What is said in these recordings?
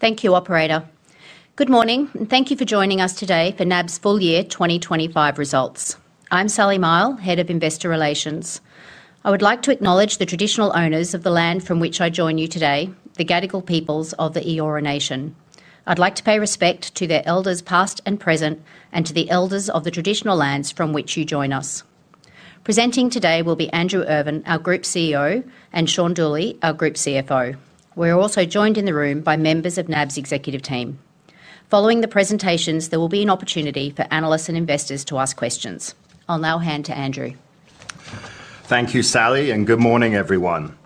Thank you, Operator. Good morning, and thank you for joining us today for NAB's full year 2025 results. I'm Sally Mihell, Head of Investor Relations. I would like to acknowledge the traditional owners of the land from which I join you today, the Gadigal peoples of the Eora Nation. I'd like to pay respect to their elders past and present, and to the elders of the traditional lands from which you join us. Presenting today will be Andrew Irvine, our Group CEO, and Shaun Dooley, our Group CFO. We're also joined in the room by members of NAB's executive team. Following the presentations, there will be an opportunity for analysts and investors to ask questions. I'll now hand to Andrew. Thank you, Sally, and good morning, everyone.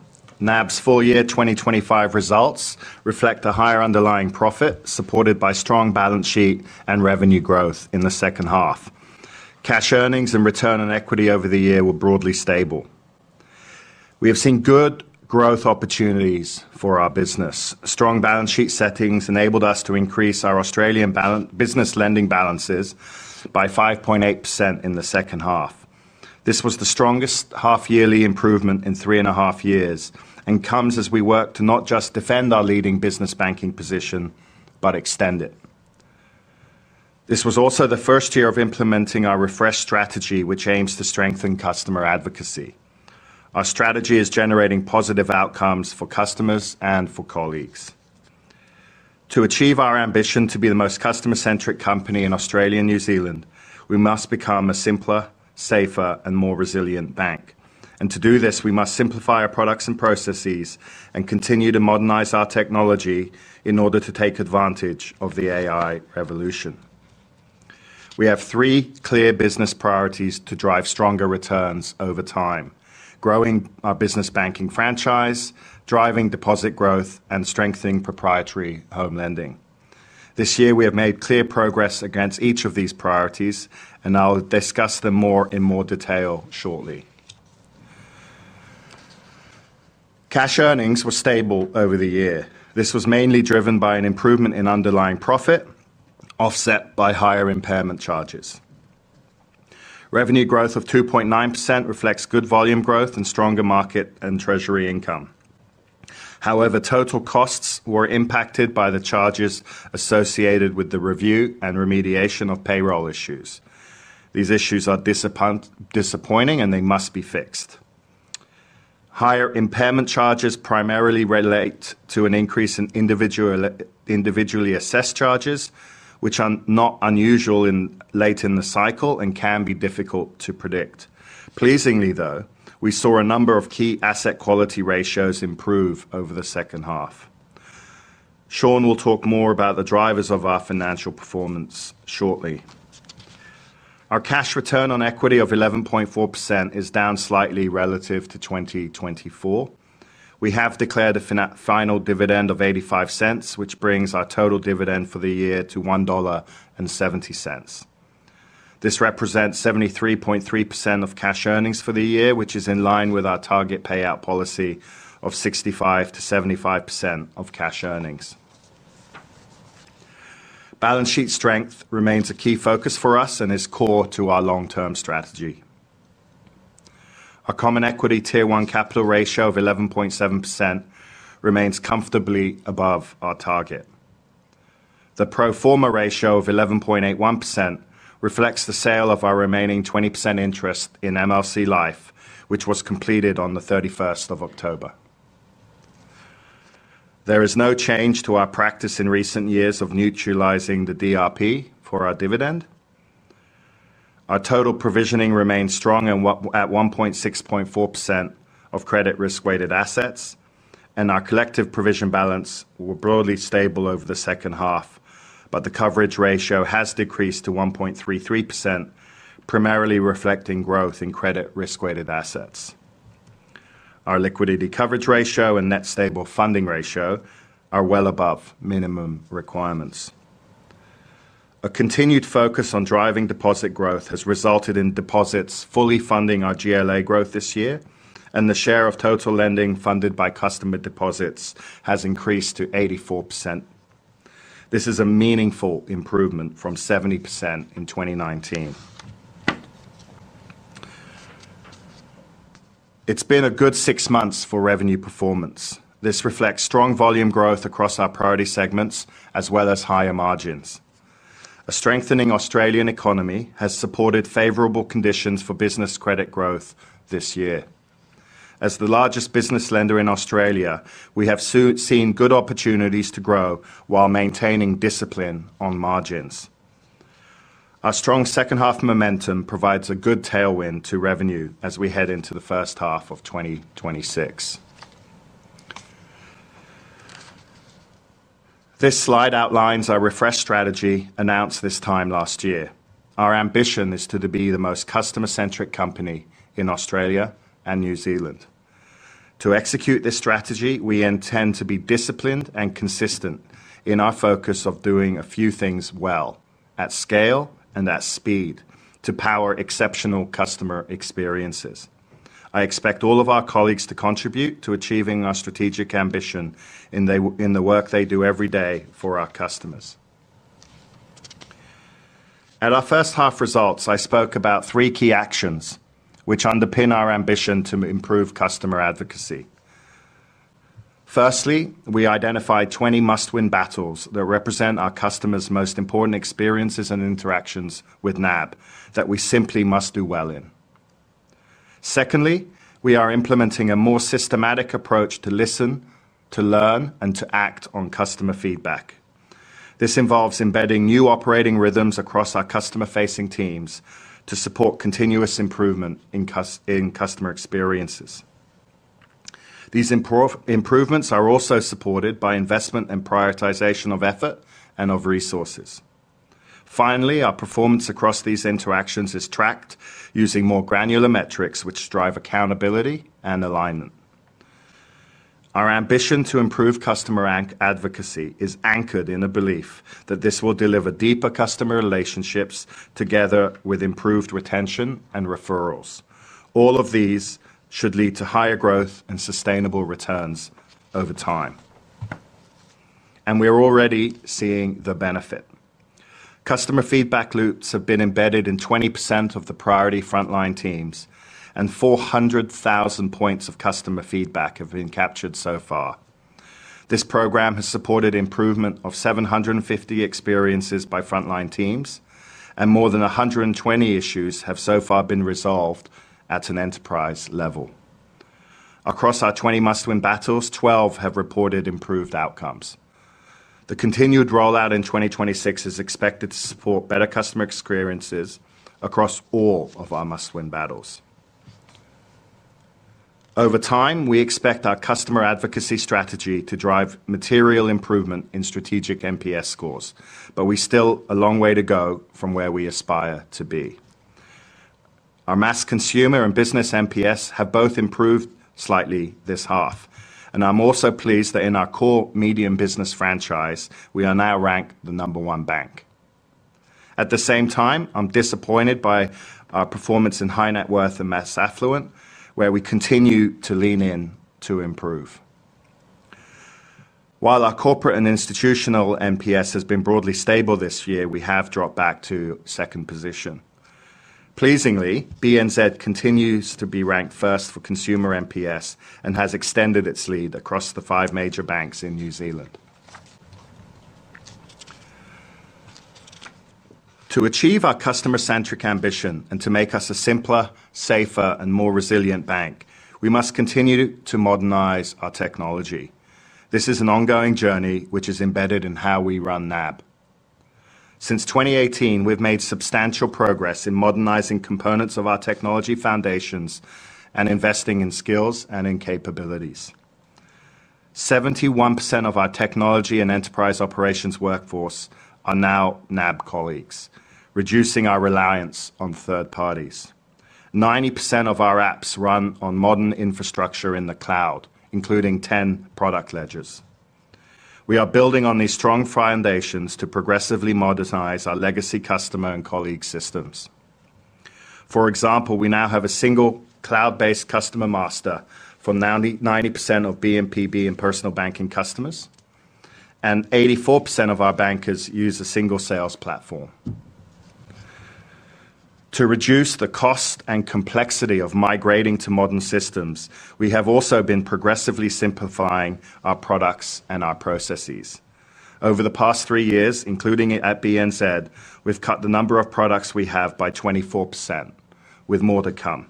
NAB's full year 2025 results reflect a higher underlying profit supported by strong balance sheet and revenue growth in the second half. Cash earnings and return on equity over the year were broadly stable. We have seen good growth opportunities for our business. Strong balance sheet settings enabled us to increase our Australian business lending balances by 5.8% in the second half. This was the strongest half-yearly improvement in three and a half years and comes as we work to not just defend our leading business banking position, but extend it. This was also the first year of implementing our Refresh strategy, which aims to strengthen customer advocacy. Our strategy is generating positive outcomes for customers and for colleagues. To achieve our ambition to be the most customer-centric company in Australia and New Zealand, we must become a simpler, safer, and more resilient bank. To do this, we must simplify our products and processes and continue to modernize our technology in order to take advantage of the AI revolution. We have three clear business priorities to drive stronger returns over time: growing our business banking franchise, driving deposit growth, and strengthening proprietary home lending. This year, we have made clear progress against each of these priorities, and I'll discuss them in more detail shortly. Cash earnings were stable over the year. This was mainly driven by an improvement in underlying profit, offset by higher impairment charges. Revenue growth of 2.9% reflects good volume growth and stronger market and treasury income. However, total costs were impacted by the charges associated with the review and remediation of payroll issues. These issues are disappointing, and they must be fixed. Higher impairment charges primarily relate to an increase in individually assessed charges, which are not unusual late in the cycle and can be difficult to predict. Pleasingly, though, we saw a number of key asset quality ratios improve over the second half. Shaun will talk more about the drivers of our financial performance shortly. Our cash return on equity of 11.4% is down slightly relative to 2024. We have declared a final dividend of 0.85, which brings our total dividend for the year to 1.70 dollar. This represents 73.3% of cash earnings for the year, which is in line with our target payout policy of 65%-75% of cash earnings. Balance sheet strength remains a key focus for us and is core to our long-term strategy. Our common equity tier one capital ratio of 11.7% remains comfortably above our target. The pro forma ratio of 11.81% reflects the sale of our remaining 20% interest in MLC Life, which was completed on the 31st of October. There is no change to our practice in recent years of neutralizing the DRP for our dividend. Our total provisioning remains strong at 1.64% of credit risk-weighted assets, and our collective provision balance was broadly stable over the second half, but the coverage ratio has decreased to 1.33%, primarily reflecting growth in credit risk-weighted assets. Our liquidity coverage ratio and net stable funding ratio are well above minimum requirements. A continued focus on driving deposit growth has resulted in deposits fully funding our GLA growth this year, and the share of total lending funded by customer deposits has increased to 84%. This is a meaningful improvement from 70% in 2019. It's been a good six months for revenue performance. This reflects strong volume growth across our priority segments as well as higher margins. A strengthening Australian economy has supported favorable conditions for business credit growth this year. As the largest business lender in Australia, we have seen good opportunities to grow while maintaining discipline on margins. Our strong second half momentum provides a good tailwind to revenue as we head into the first half of 2026. This slide outlines our Refresh strategy announced this time last year. Our ambition is to be the most customer-centric company in Australia and New Zealand. To execute this strategy, we intend to be disciplined and consistent in our focus of doing a few things well, at scale and at speed, to power exceptional customer experiences. I expect all of our colleagues to contribute to achieving our strategic ambition in the work they do every day for our customers. At our first half results, I spoke about three key actions which underpin our ambition to improve customer advocacy. Firstly, we identified 20 must-win battles that represent our customers' most important experiences and interactions with NAB that we simply must do well in. Secondly, we are implementing a more systematic approach to listen, to learn, and to act on customer feedback. This involves embedding new operating rhythms across our customer-facing teams to support continuous improvement in customer experiences. These improvements are also supported by investment and prioritization of effort and of resources. Finally, our performance across these interactions is tracked using more granular metrics which drive accountability and alignment. Our ambition to improve customer advocacy is anchored in a belief that this will deliver deeper customer relationships together with improved retention and referrals. All of these should lead to higher growth and sustainable returns over time. We are already seeing the benefit. Customer feedback loops have been embedded in 20% of the priority frontline teams, and 400,000 points of customer feedback have been captured so far. This program has supported improvement of 750 experiences by frontline teams, and more than 120 issues have so far been resolved at an enterprise level. Across our 20 must-win battles, 12 have reported improved outcomes. The continued rollout in 2026 is expected to support better customer experiences across all of our must-win battles. Over time, we expect our customer advocacy strategy to drive material improvement in strategic NPS scores, but we still have a long way to go from where we aspire to be. Our mass consumer and business NPS have both improved slightly this half, and I'm also pleased that in our core medium business franchise, we are now ranked the number one bank. At the same time, I'm disappointed by our performance in high net worth and mass affluent, where we continue to lean in to improve. While our corporate and institutional NPS has been broadly stable this year, we have dropped back to second position. Pleasingly, BNZ continues to be ranked first for consumer NPS and has extended its lead across the five major banks in New Zealand. To achieve our customer-centric ambition and to make us a simpler, safer, and more resilient bank, we must continue to modernize our technology. This is an ongoing journey which is embedded in how we run NAB. Since 2018, we've made substantial progress in modernizing components of our technology foundations and investing in skills and in capabilities. 71% of our technology and enterprise operations workforce are now NAB colleagues, reducing our reliance on third parties. 90% of our apps run on modern infrastructure in the cloud, including 10 product ledgers. We are building on these strong foundations to progressively modernize our legacy customer and colleague systems. For example, we now have a single cloud-based customer master for 90% of BNZ and personal banking customers. 84% of our bankers use a single sales platform. To reduce the cost and complexity of migrating to modern systems, we have also been progressively simplifying our products and our processes. Over the past three years, including at BNZ, we have cut the number of products we have by 24%, with more to come.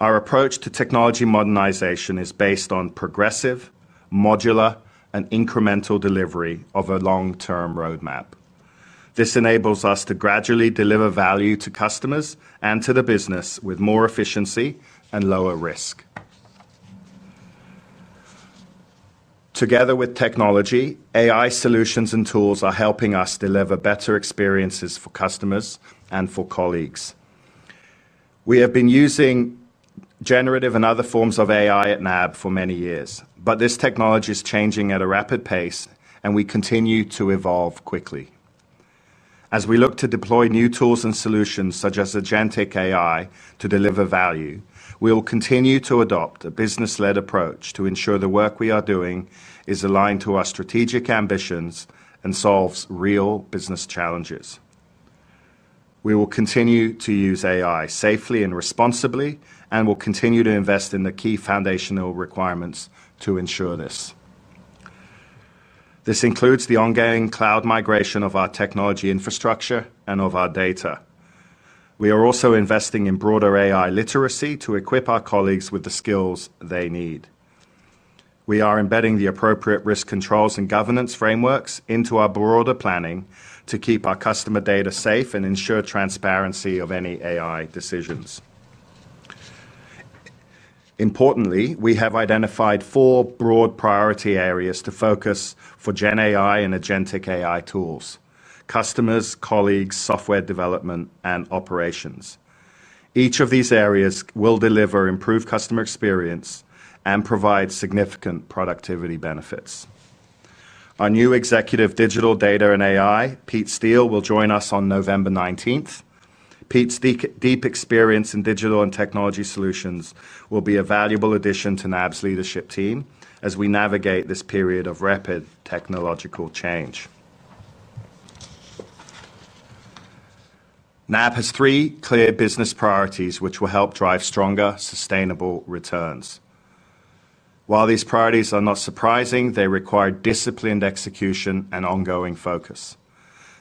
Our approach to technology modernization is based on progressive, modular, and incremental delivery of a long-term roadmap. This enables us to gradually deliver value to customers and to the business with more efficiency and lower risk. Together with technology, AI solutions and tools are helping us deliver better experiences for customers and for colleagues. We have been using generative and other forms of AI at NAB for many years, but this technology is changing at a rapid pace, and we continue to evolve quickly. As we look to deploy new tools and solutions such as Agentic AI to deliver value, we will continue to adopt a business-led approach to ensure the work we are doing is aligned to our strategic ambitions and solves real business challenges. We will continue to use AI safely and responsibly and will continue to invest in the key foundational requirements to ensure this. This includes the ongoing cloud migration of our technology infrastructure and of our data. We are also investing in broader AI literacy to equip our colleagues with the skills they need. We are embedding the appropriate risk controls and governance frameworks into our broader planning to keep our customer data safe and ensure transparency of any AI decisions. Importantly, we have identified four broad priority areas to focus for GenAI and Agentic AI tools: customers, colleagues, software development, and operations. Each of these areas will deliver improved customer experience and provide significant productivity benefits. Our new Executive Digital, Data, and AI, Pete Steel, will join us on November 19. Pete's deep experience in digital and technology solutions will be a valuable addition to NAB's leadership team as we navigate this period of rapid technological change. NAB has three clear business priorities which will help drive stronger, sustainable returns. While these priorities are not surprising, they require disciplined execution and ongoing focus.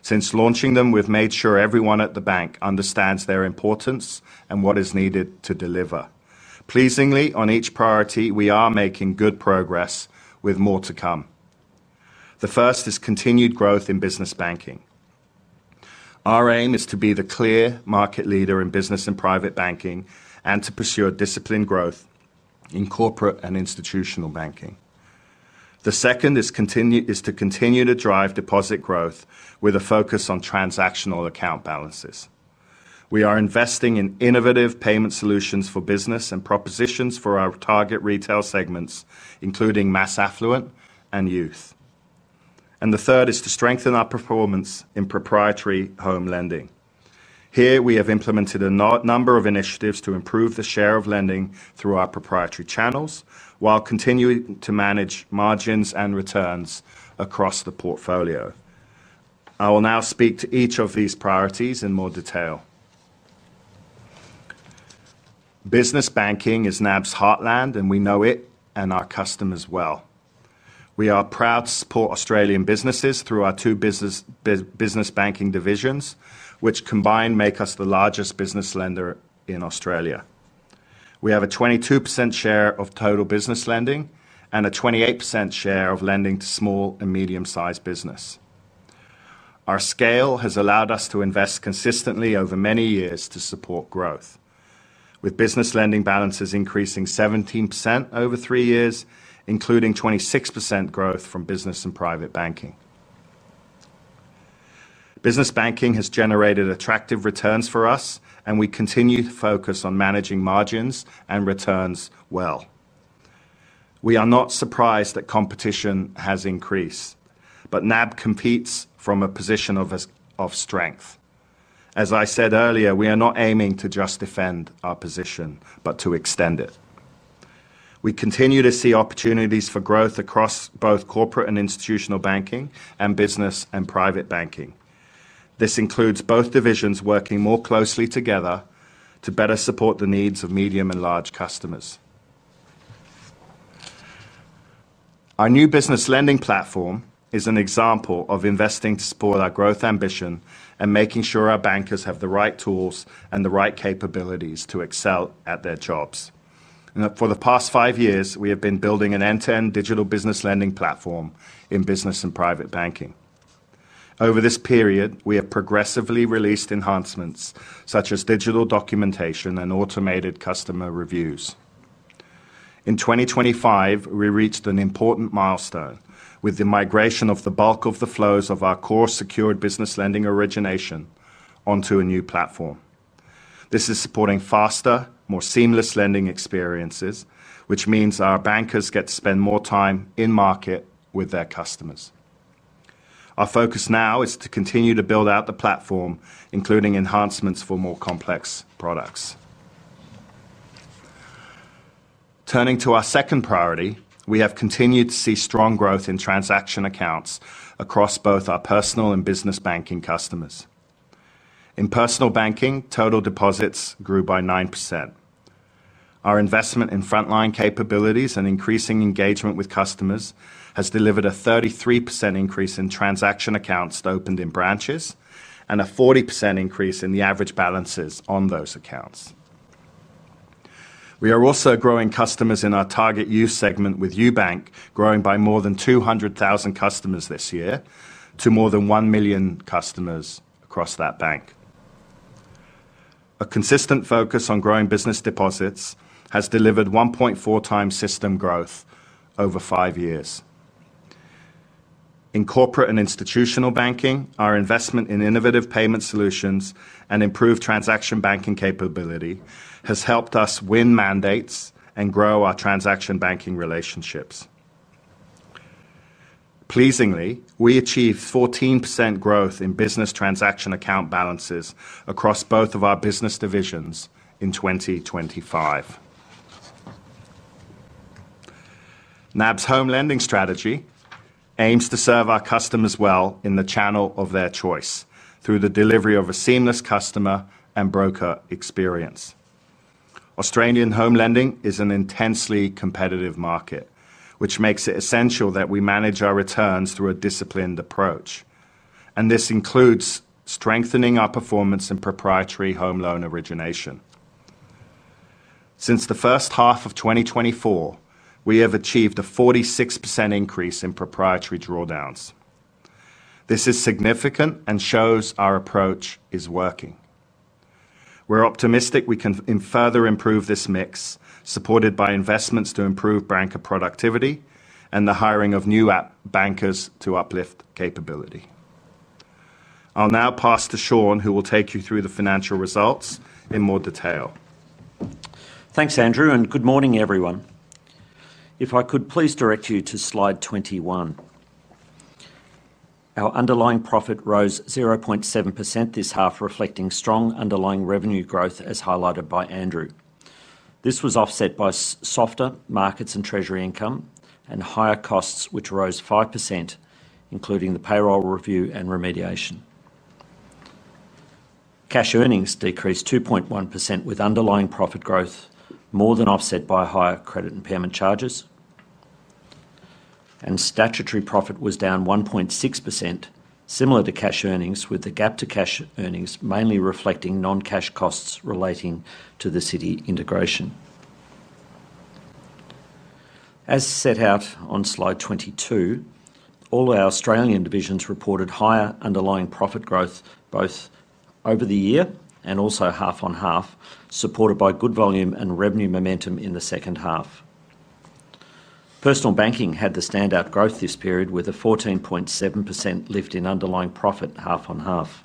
Since launching them, we've made sure everyone at the bank understands their importance and what is needed to deliver. Pleasingly, on each priority, we are making good progress with more to come. The first is continued growth in business banking. Our aim is to be the clear market leader in business and private banking and to pursue disciplined growth in corporate and institutional banking. The second is to continue to drive deposit growth with a focus on transactional account balances. We are investing in innovative payment solutions for business and propositions for our target retail segments, including mass affluent and youth. The third is to strengthen our performance in proprietary home lending. Here, we have implemented a number of initiatives to improve the share of lending through our proprietary channels while continuing to manage margins and returns across the portfolio. I will now speak to each of these priorities in more detail. Business banking is NAB's heartland, and we know it and our customers well. We are proud to support Australian businesses through our two business banking divisions, which combine to make us the largest business lender in Australia. We have a 22% share of total business lending and a 28% share of lending to small and medium-sized business. Our scale has allowed us to invest consistently over many years to support growth, with business lending balances increasing 17% over three years, including 26% growth from business and private banking. Business banking has generated attractive returns for us, and we continue to focus on managing margins and returns well. We are not surprised that competition has increased, but NAB competes from a position of strength. As I said earlier, we are not aiming to just defend our position, but to extend it. We continue to see opportunities for growth across both corporate and institutional banking and business and private banking. This includes both divisions working more closely together to better support the needs of medium and large customers. Our new business lending platform is an example of investing to support our growth ambition and making sure our bankers have the right tools and the right capabilities to excel at their jobs. For the past five years, we have been building an end-to-end digital business lending platform in business and private banking. Over this period, we have progressively released enhancements such as digital documentation and automated customer reviews. In 2025, we reached an important milestone with the migration of the bulk of the flows of our core secured business lending origination onto a new platform. This is supporting faster, more seamless lending experiences, which means our bankers get to spend more time in market with their customers. Our focus now is to continue to build out the platform, including enhancements for more complex products. Turning to our second priority, we have continued to see strong growth in transaction accounts across both our personal and business banking customers. In personal banking, total deposits grew by 9%. Our investment in frontline capabilities and increasing engagement with customers has delivered a 33% increase in transaction accounts opened in branches and a 40% increase in the average balances on those accounts. We are also growing customers in our target use segment with UBank, growing by more than 200,000 customers this year to more than 1 million customers across that bank. A consistent focus on growing business deposits has delivered 1.4 times system growth over five years. In corporate and institutional banking, our investment in innovative payment solutions and improved transaction banking capability has helped us win mandates and grow our transaction banking relationships. Pleasingly, we achieved 14% growth in business transaction account balances across both of our business divisions in 2025. NAB's home lending strategy aims to serve our customers well in the channel of their choice through the delivery of a seamless customer and broker experience. Australian home lending is an intensely competitive market, which makes it essential that we manage our returns through a disciplined approach. This includes strengthening our performance in proprietary home loan origination. Since the first half of 2024, we have achieved a 46% increase in proprietary drawdowns. This is significant and shows our approach is working. We're optimistic we can further improve this mix, supported by investments to improve banker productivity and the hiring of new bankers to uplift capability. I'll now pass to Shaun, who will take you through the financial results in more detail. Thanks, Andrew, and good morning, everyone. If I could, please direct you to slide 21. Our underlying profit rose 0.7% this half, reflecting strong underlying revenue growth as highlighted by Andrew. This was offset by softer markets and treasury income and higher costs, which rose 5%, including the payroll review and remediation. Cash earnings decreased 2.1%, with underlying profit growth more than offset by higher credit impairment charges. Statutory profit was down 1.6%, similar to cash earnings, with the gap to cash earnings mainly reflecting non-cash costs relating to the Citi integration. As set out on slide 22. All our Australian divisions reported higher underlying profit growth both over the year and also half on half, supported by good volume and revenue momentum in the second half. Personal banking had the standout growth this period with a 14.7% lift in underlying profit half on half.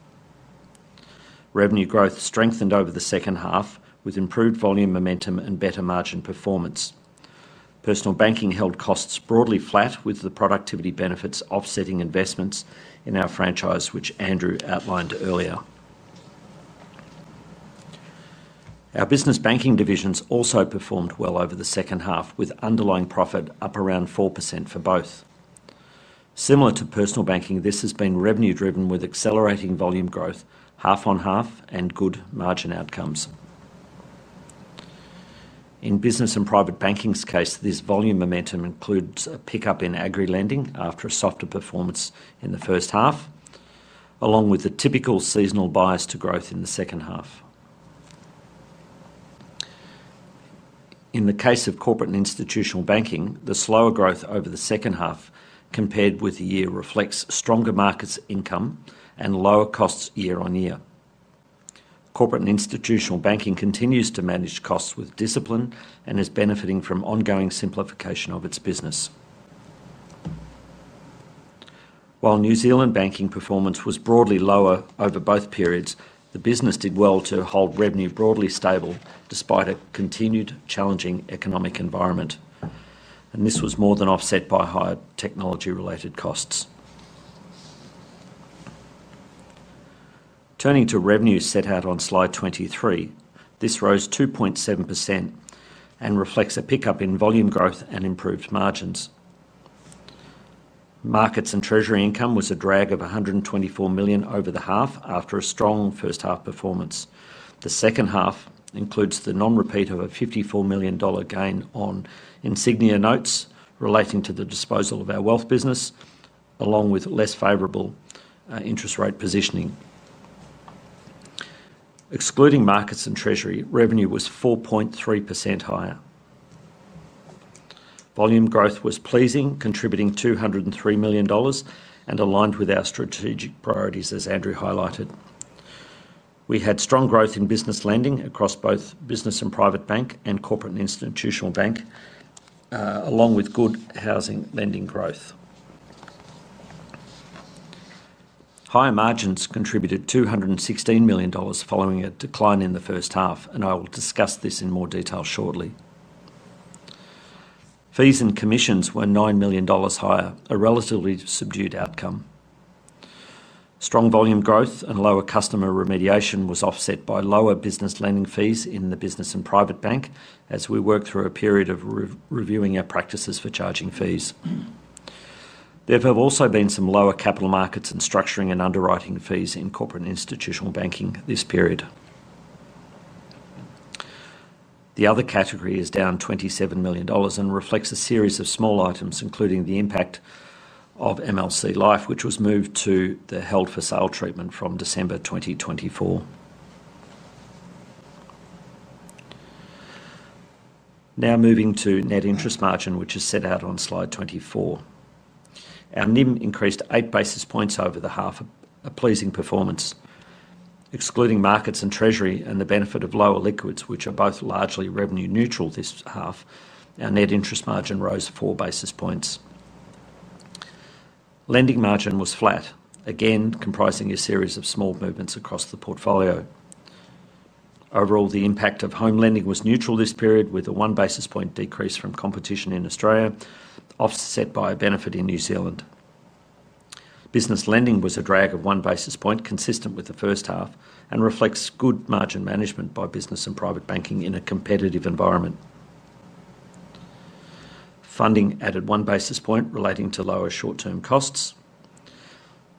Revenue growth strengthened over the second half with improved volume momentum and better margin performance. Personal banking held costs broadly flat, with the productivity benefits offsetting investments in our franchise, which Andrew outlined earlier. Our business banking divisions also performed well over the second half, with underlying profit up around 4% for both. Similar to personal banking, this has been revenue-driven with accelerating volume growth half on half and good margin outcomes. In business and private banking's case, this volume momentum includes a pickup in agri lending after a softer performance in the first half. Along with the typical seasonal bias to growth in the second half. In the case of corporate and institutional banking, the slower growth over the second half compared with the year reflects stronger markets income and lower costs year on year. Corporate and institutional banking continues to manage costs with discipline and is benefiting from ongoing simplification of its business. While New Zealand banking performance was broadly lower over both periods, the business did well to hold revenue broadly stable despite a continued challenging economic environment. This was more than offset by higher technology-related costs. Turning to revenue set out on slide 23, this rose 2.7%. It reflects a pickup in volume growth and improved margins. Markets and treasury income was a drag of 124 million over the half after a strong first half performance. The second half includes the non-repeat of a 54 million dollar gain on Insignia notes relating to the disposal of our wealth business, along with less favorable interest rate positioning. Excluding markets and treasury, revenue was 4.3% higher. Volume growth was pleasing, contributing 203 million dollars, and aligned with our strategic priorities, as Andrew highlighted. We had strong growth in business lending across both Business and Private Bank and Corporate and Institutional Bank, along with good housing lending growth. Higher margins contributed 216 million dollars following a decline in the first half, and I will discuss this in more detail shortly. Fees and commissions were 9 million dollars higher, a relatively subdued outcome. Strong volume growth and lower customer remediation was offset by lower business lending fees in the Business and Private Bank as we work through a period of reviewing our practices for charging fees. There have also been some lower capital markets and structuring and underwriting fees in Corporate and Institutional Banking this period. The other category is down 27 million dollars and reflects a series of small items, including the impact of MLC Life, which was moved to the held-for-sale treatment from December 2024. Now moving to net interest margin, which is set out on slide 24. Our NIM increased 8 basis points over the half, a pleasing performance. Excluding markets and treasury and the benefit of lower liquids, which are both largely revenue-neutral this half, our net interest margin rose 4 basis points. Lending margin was flat, again comprising a series of small movements across the portfolio. Overall, the impact of home lending was neutral this period, with a 1 basis point decrease from competition in Australia, offset by a benefit in New Zealand. Business lending was a drag of 1 basis point, consistent with the first half, and reflects good margin management by business and private banking in a competitive environment. Funding added 1 basis point relating to lower short-term costs.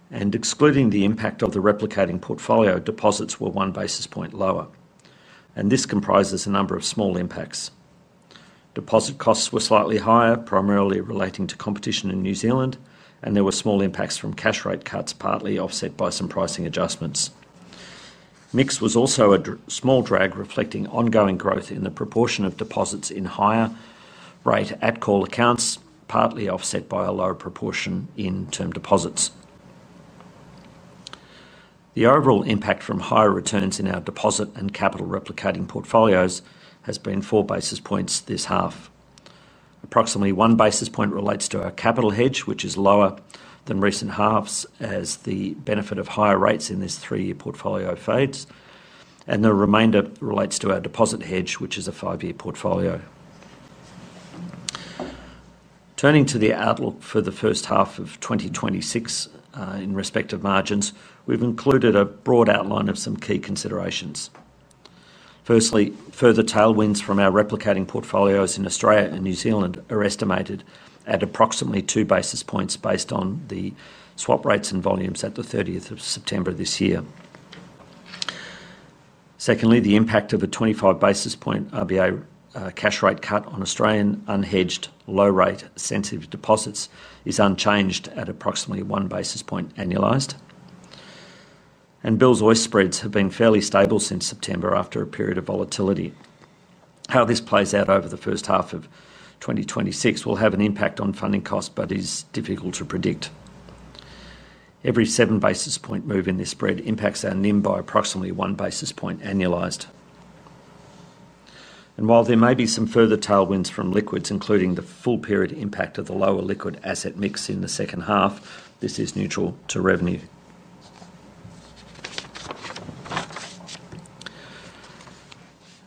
Excluding the impact of the replicating portfolio, deposits were 1 basis point lower. This comprises a number of small impacts. Deposit costs were slightly higher, primarily relating to competition in New Zealand, and there were small impacts from cash rate cuts, partly offset by some pricing adjustments. Mix was also a small drag, reflecting ongoing growth in the proportion of deposits in higher rate at call accounts, partly offset by a lower proportion in term deposits. The overall impact from higher returns in our deposit and capital replicating portfolios has been 4 basis points this half. Approximately 1 basis point relates to our capital hedge, which is lower than recent halves as the benefit of higher rates in this three-year portfolio fades. The remainder relates to our deposit hedge, which is a five-year portfolio. Turning to the outlook for the first half of 2026 in respect of margins, we've included a broad outline of some key considerations. Firstly, further tailwinds from our replicating portfolios in Australia and New Zealand are estimated at approximately 2 basis points based on the swap rates and volumes at the 30th of September this year. Secondly, the impact of a 25 basis point RBA cash rate cut on Australian unhedged, low-rate sensitive deposits is unchanged at approximately 1 basis point annualized. Bills-oil spreads have been fairly stable since September after a period of volatility. How this plays out over the first half of 2026 will have an impact on funding costs, but is difficult to predict. Every 7 basis point move in this spread impacts our NIM by approximately 1 basis point annualized. While there may be some further tailwinds from liquids, including the full period impact of the lower liquid asset mix in the second half, this is neutral to revenue.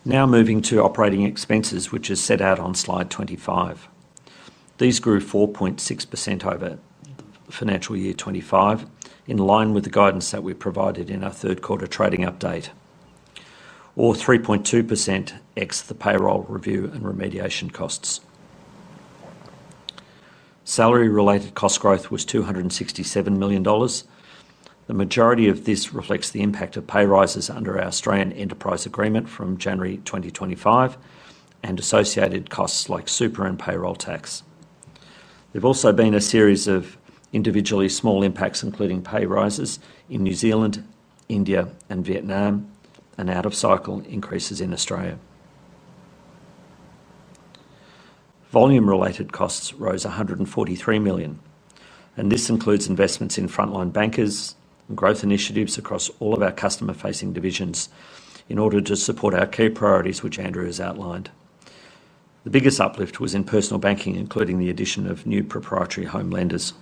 Now moving to operating expenses, which is set out on slide 25. These grew 4.6% over financial year 2025, in line with the guidance that we provided in our third quarter trading update, or 3.2% ex the payroll review and remediation costs. Salary-related cost growth was 267 million dollars. The majority of this reflects the impact of pay rises under our Australian enterprise agreement from January 2025 and associated costs like super and payroll tax. There've also been a series of individually small impacts, including pay rises in New Zealand, India, and Vietnam. Out-of-cycle increases in Australia. Volume-related costs rose 143 million. This includes investments in frontline bankers and growth initiatives across all of our customer-facing divisions in order to support our key priorities, which Andrew has outlined. The biggest uplift was in personal banking, including the addition of new proprietary home lenders.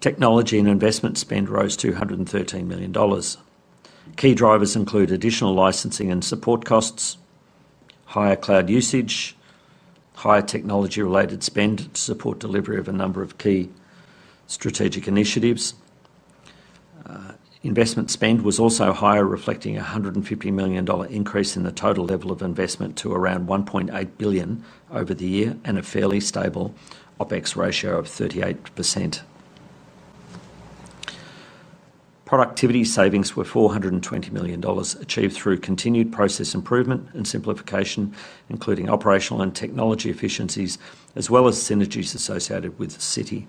Technology and investment spend rose 213 million dollars. Key drivers include additional licensing and support costs, higher cloud usage, and higher technology-related spend to support delivery of a number of key strategic initiatives. Investment spend was also higher, reflecting an 150 million dollar increase in the total level of investment to around 1.8 billion over the year and a fairly stable OpEx ratio of 38%. Productivity savings were 420 million dollars, achieved through continued process improvement and simplification, including operational and technology efficiencies, as well as synergies associated with the city.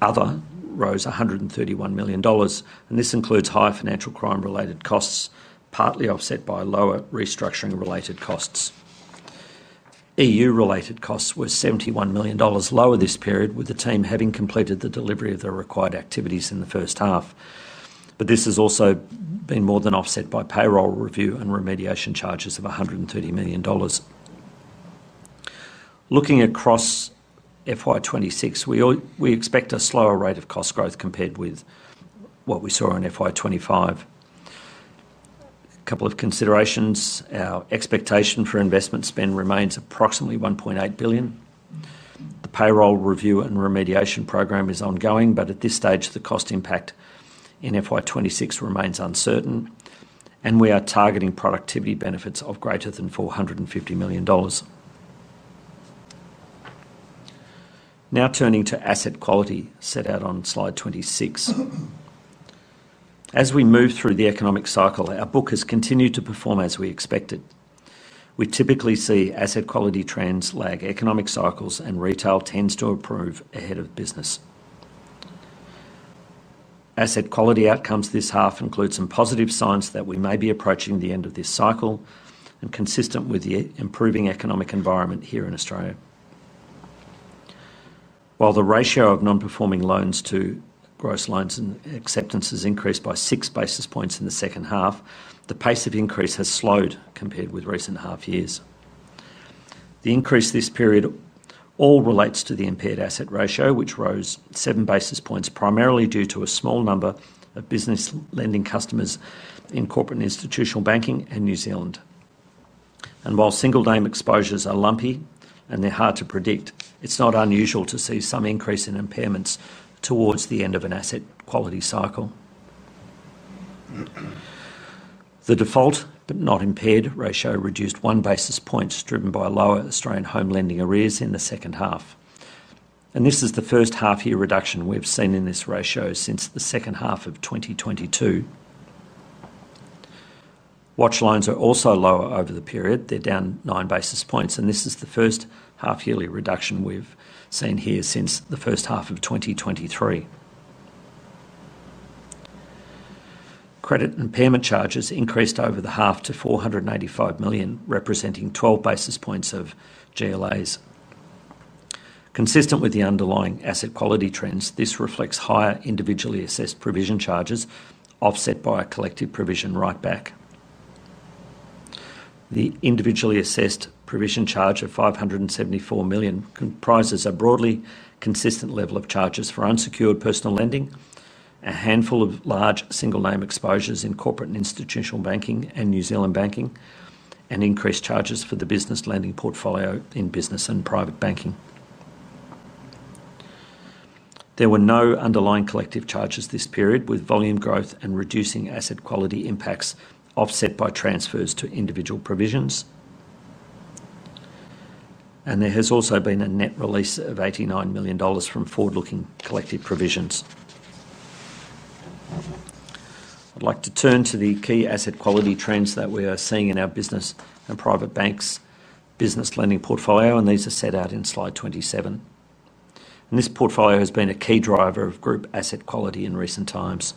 Other rose 131 million dollars, and this includes higher financial crime-related costs, partly offset by lower restructuring-related costs. EU-related costs were 71 million dollars lower this period, with the team having completed the delivery of the required activities in the first half. This has also been more than offset by payroll review and remediation charges of 130 million dollars. Looking across FY 2026, we expect a slower rate of cost growth compared with what we saw in FY 2025. A couple of considerations. Our expectation for investment spend remains approximately 1.8 billion. The payroll review and remediation program is ongoing, but at this stage, the cost impact in FY 2026 remains uncertain, and we are targeting productivity benefits of greater than 450 million dollars. Now turning to asset quality, set out on slide 26. As we move through the economic cycle, our book has continued to perform as we expected. We typically see asset quality trends lag economic cycles, and retail tends to improve ahead of business. Asset quality outcomes this half include some positive signs that we may be approaching the end of this cycle and consistent with the improving economic environment here in Australia. While the ratio of non-performing loans to gross loans and acceptances has increased by 6 basis points in the second half, the pace of increase has slowed compared with recent half years. The increase this period all relates to the impaired asset ratio, which rose 7 basis points primarily due to a small number of business lending customers in Corporate and Institutional Banking and New Zealand. While single-name exposures are lumpy and they are hard to predict, it is not unusual to see some increase in impairments towards the end of an asset quality cycle. The default but not impaired ratio reduced 1 basis point, driven by lower Australian home lending arrears in the second half. This is the first half-year reduction we have seen in this ratio since the second half of 2022. Watch loans are also lower over the period. They are down 9 basis points, and this is the first half-yearly reduction we have seen here since the first half of 2023. Credit impairment charges increased over the half to 485 million, representing 12 basis points of GLAs. Consistent with the underlying asset quality trends, this reflects higher individually assessed provision charges, offset by a collective provision write-back. The individually assessed provision charge of 574 million comprises a broadly consistent level of charges for unsecured personal lending, a handful of large single-name exposures in Corporate and Institutional Banking and New Zealand banking, and increased charges for the business lending portfolio in Business and Private Banking. There were no underlying collective charges this period, with volume growth and reducing asset quality impacts offset by transfers to individual provisions. There has also been a net release of 89 million dollars from forward-looking collective provisions. I'd like to turn to the key asset quality trends that we are seeing in our Business and Private Banks' business lending portfolio, and these are set out in slide 27. This portfolio has been a key driver of group asset quality in recent times.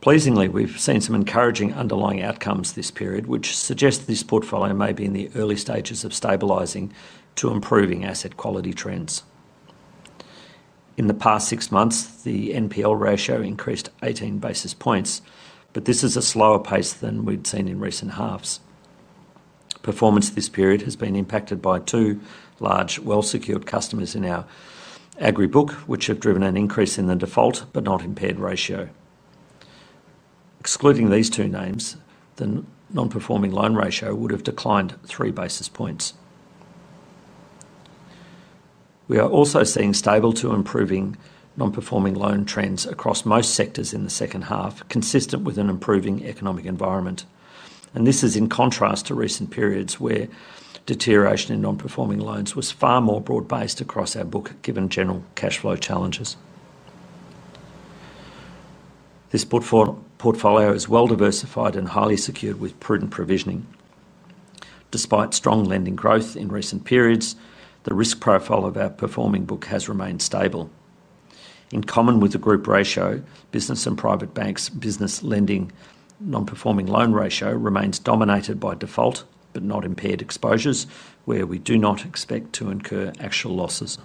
Pleasingly, we've seen some encouraging underlying outcomes this period, which suggests this portfolio may be in the early stages of stabilizing to improving asset quality trends. In the past six months, the NPL ratio increased 18 basis points, but this is a slower pace than we'd seen in recent halves. Performance this period has been impacted by two large well-secured customers in our agribook, which have driven an increase in the default but not impaired ratio. Excluding these two names, the non-performing loan ratio would have declined 3 basis points. We are also seeing stable to improving non-performing loan trends across most sectors in the second half, consistent with an improving economic environment. This is in contrast to recent periods where deterioration in non-performing loans was far more broad-based across our book, given general cash flow challenges. This portfolio is well-diversified and highly secured with prudent provisioning. Despite strong lending growth in recent periods, the risk profile of our performing book has remained stable. In common with the group ratio, business and private banks' business lending non-performing loan ratio remains dominated by default but not impaired exposures, where we do not expect to incur actual losses.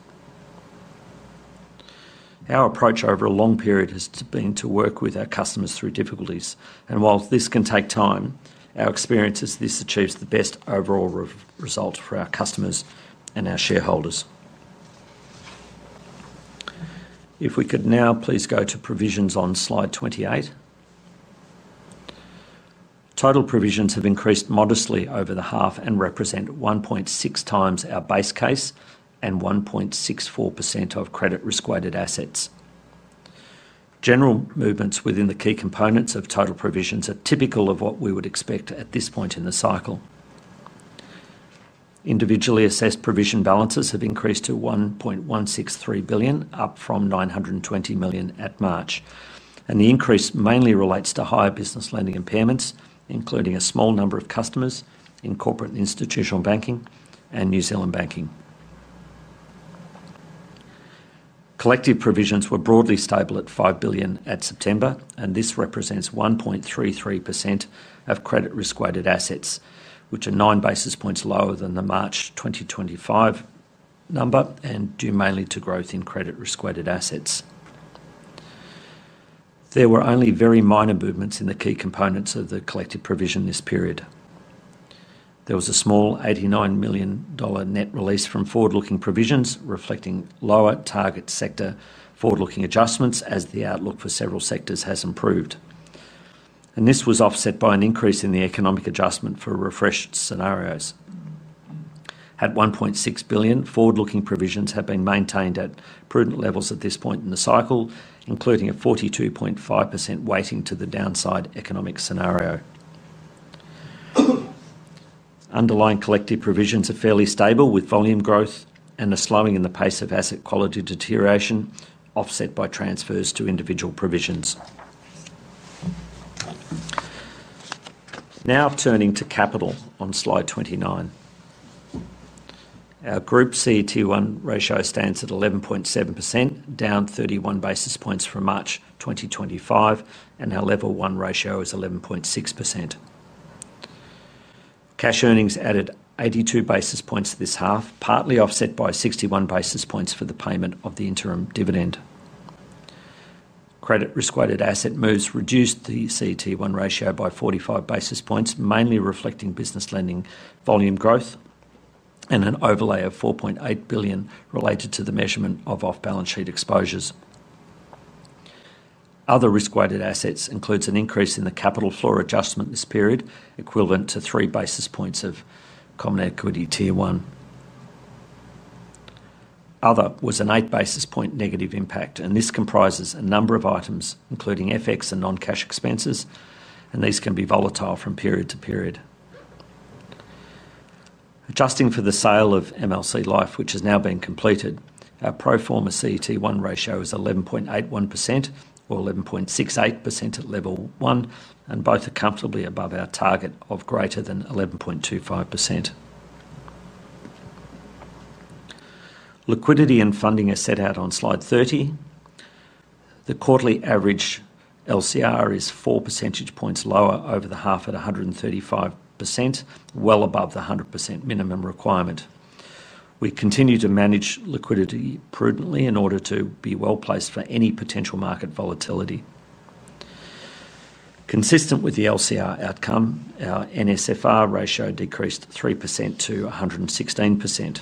Our approach over a long period has been to work with our customers through difficulties. While this can take time, our experience is this achieves the best overall result for our customers and our shareholders. If we could now please go to provisions on slide 28. Total provisions have increased modestly over the half and represent 1.6x our base case and 1.64% of credit risk-weighted assets. General movements within the key components of total provisions are typical of what we would expect at this point in the cycle. Individually assessed provision balances have increased to 1.163 billion, up from 920 million at March. The increase mainly relates to higher business lending impairments, including a small number of customers in Corporate and Institutional Banking and New Zealand banking. Collective provisions were broadly stable at 5 billion at September, and this represents 1.33% of credit risk-weighted assets, which are 9 basis points lower than the March 2025 number and due mainly to growth in credit risk-weighted assets. There were only very minor movements in the key components of the collective provision this period. There was a small 89 million dollar net release from forward-looking provisions, reflecting lower target sector forward-looking adjustments as the outlook for several sectors has improved. This was offset by an increase in the economic adjustment for refreshed scenarios. At 1.6 billion, forward-looking provisions have been maintained at prudent levels at this point in the cycle, including a 42.5% weighting to the downside economic scenario. Underlying collective provisions are fairly stable with volume growth and a slowing in the pace of asset quality deterioration, offset by transfers to individual provisions. Now turning to capital on slide 29. Our group CET1 ratio stands at 11.7%, down 31 basis points from March 2025, and our level one ratio is 11.6%. Cash earnings added 82 basis points this half, partly offset by 61 basis points for the payment of the interim dividend. Credit risk-weighted asset moves reduced the CET1 ratio by 45 basis points, mainly reflecting business lending volume growth. An overlay of 4.8 billion related to the measurement of off-balance sheet exposures. Other risk-weighted assets includes an increase in the capital floor adjustment this period, equivalent to 3 basis points of common equity Tier 1. Other was an 8 basis point negative impact, and this comprises a number of items, including FX and non-cash expenses, and these can be volatile from period to period. Adjusting for the sale of MLC Life, which has now been completed, our pro forma CET1 ratio is 11.81% or 11.68% at level one, and both are comfortably above our target of greater than 11.25%. Liquidity and funding are set out on slide 30. The quarterly average LCR is 4 percentage points lower over the half at 135%, well above the 100% minimum requirement. We continue to manage liquidity prudently in order to be well placed for any potential market volatility. Consistent with the LCR outcome, our NSFR ratio decreased 3% to 116%.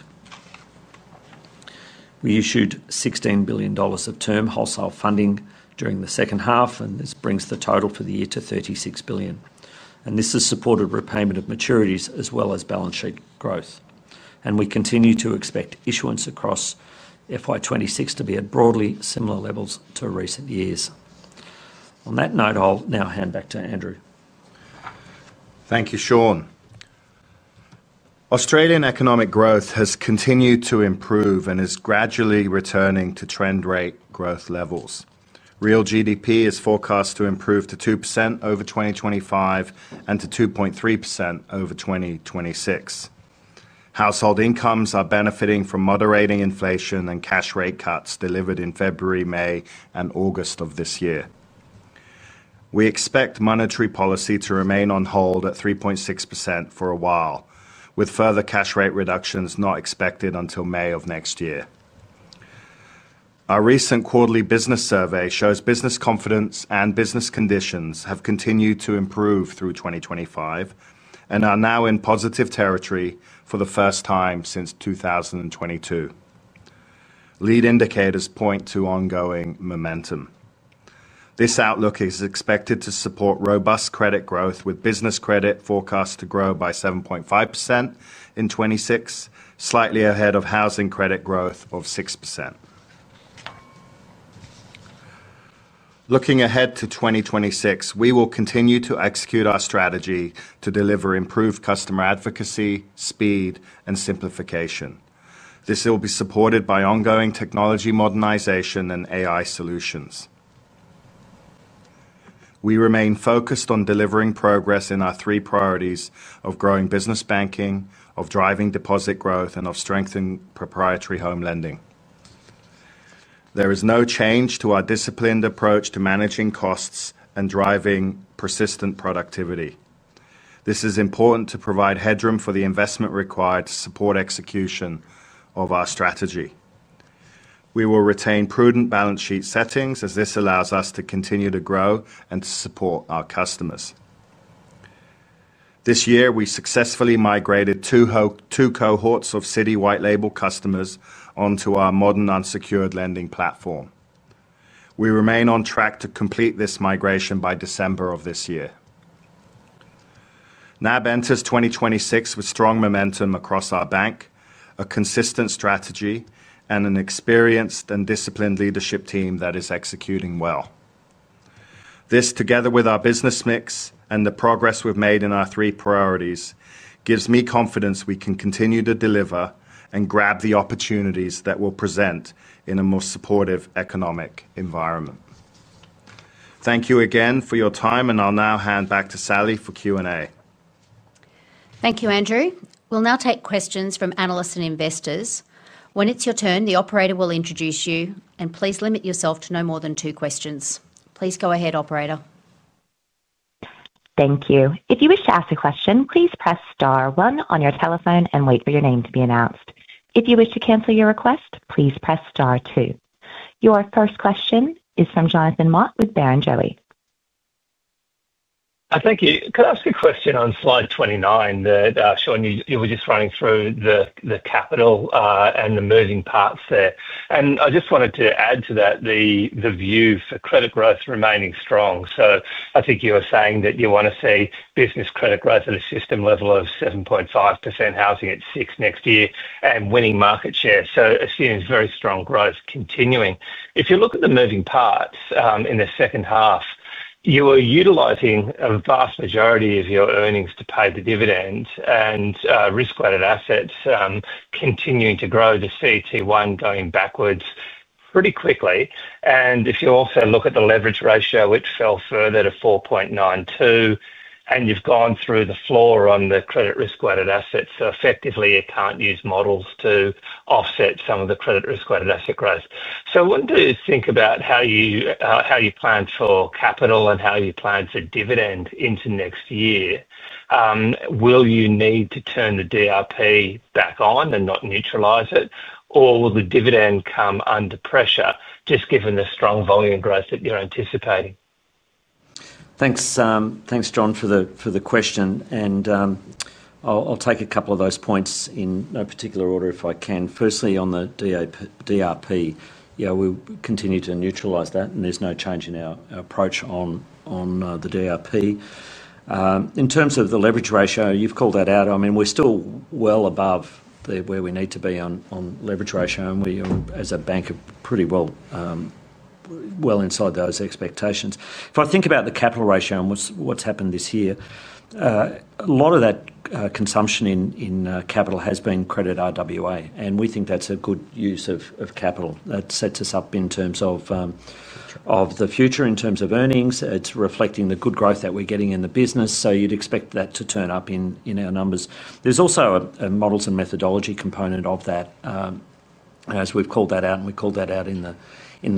We issued 16 billion dollars of term wholesale funding during the second half, and this brings the total for the year to 36 billion. This has supported repayment of maturities as well as balance sheet growth. We continue to expect issuance across FY 2026 to be at broadly similar levels to recent years. On that note, I'll now hand back to Andrew. Thank you, Shaun. Australian economic growth has continued to improve and is gradually returning to trend rate growth levels. Real GDP is forecast to improve to 2% over 2025 and to 2.3% over 2026. Household incomes are benefiting from moderating inflation and cash rate cuts delivered in February, May, and August of this year. We expect monetary policy to remain on hold at 3.6% for a while, with further cash rate reductions not expected until May of next year. Our recent quarterly business survey shows business confidence and business conditions have continued to improve through 2025. They are now in positive territory for the first time since 2022. Lead indicators point to ongoing momentum. This outlook is expected to support robust credit growth, with business credit forecast to grow by 7.5% in 2026, slightly ahead of housing credit growth of 6%. Looking ahead to 2026, we will continue to execute our strategy to deliver improved customer advocacy, speed, and simplification. This will be supported by ongoing technology modernization and AI solutions. We remain focused on delivering progress in our three priorities of growing business banking, of driving deposit growth, and of strengthening proprietary home lending. There is no change to our disciplined approach to managing costs and driving persistent productivity. This is important to provide headroom for the investment required to support execution of our strategy. We will retain prudent balance sheet settings as this allows us to continue to grow and to support our customers. This year, we successfully migrated two cohorts of Citi white-label customers onto our modern unsecured lending platform. We remain on track to complete this migration by December of this year. NAB enters 2026 with strong momentum across our bank, a consistent strategy, and an experienced and disciplined leadership team that is executing well. This, together with our business mix and the progress we've made in our three priorities, gives me confidence we can continue to deliver and grab the opportunities that will present in a more supportive economic environment. Thank you again for your time, and I'll now hand back to Sally for Q&A. Thank you, Andrew. We'll now take questions from analysts and investors. When it's your turn, the operator will introduce you, and please limit yourself to no more than two questions. Please go ahead, operator. Thank you. If you wish to ask a question, please press star one on your telephone and wait for your name to be announced. If you wish to cancel your request, please press star two. Your first question is from Jonathan Mott with Barrenjoey. Thank you. Could I ask a question on slide 29 that Shaun, you were just running through the capital and the moving parts there? And I just wanted to add to that the view for credit growth remaining strong. So I think you were saying that you want to see business credit growth at a system level of 7.5%, housing at 6% next year, and winning market share. So assuming very strong growth continuing. If you look at the moving parts in the second half, you are utilizing a vast majority of your earnings to pay the dividends, and risk-weighted assets. Continuing to grow the CET1 going backwards pretty quickly. If you also look at the leverage ratio, which fell further to 4.92, and you have gone through the floor on the credit risk-weighted assets, so effectively, it cannot use models to offset some of the credit risk-weighted asset growth. I wanted to think about how you plan for capital and how you plan for dividend into next year. Will you need to turn the DRP back on and not neutralize it, or will the dividend come under pressure just given the strong volume growth that you are anticipating? Thanks, John, for the question. I will take a couple of those points in no particular order if I can. Firstly, on the DRP, we continue to neutralize that, and there's no change in our approach on the DRP. In terms of the leverage ratio, you've called that out. I mean, we're still well above where we need to be on leverage ratio, and we are, as a bank, pretty well inside those expectations. If I think about the capital ratio and what's happened this year, a lot of that consumption in capital has been credit RWA, and we think that's a good use of capital. That sets us up in terms of the future, in terms of earnings. It's reflecting the good growth that we're getting in the business, so you'd expect that to turn up in our numbers. There's also a models and methodology component of that, as we've called that out, and we called that out in the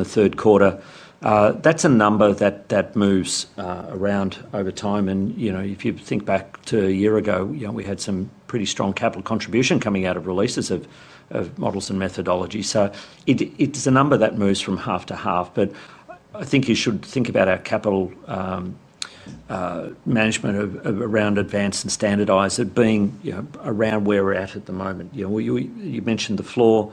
third quarter. That's a number that moves around over time. If you think back to a year ago, we had some pretty strong capital contribution coming out of releases of models and methodology. It's a number that moves from half to half. I think you should think about our capital management around advance and standardize it being around where we're at at the moment. You mentioned the floor.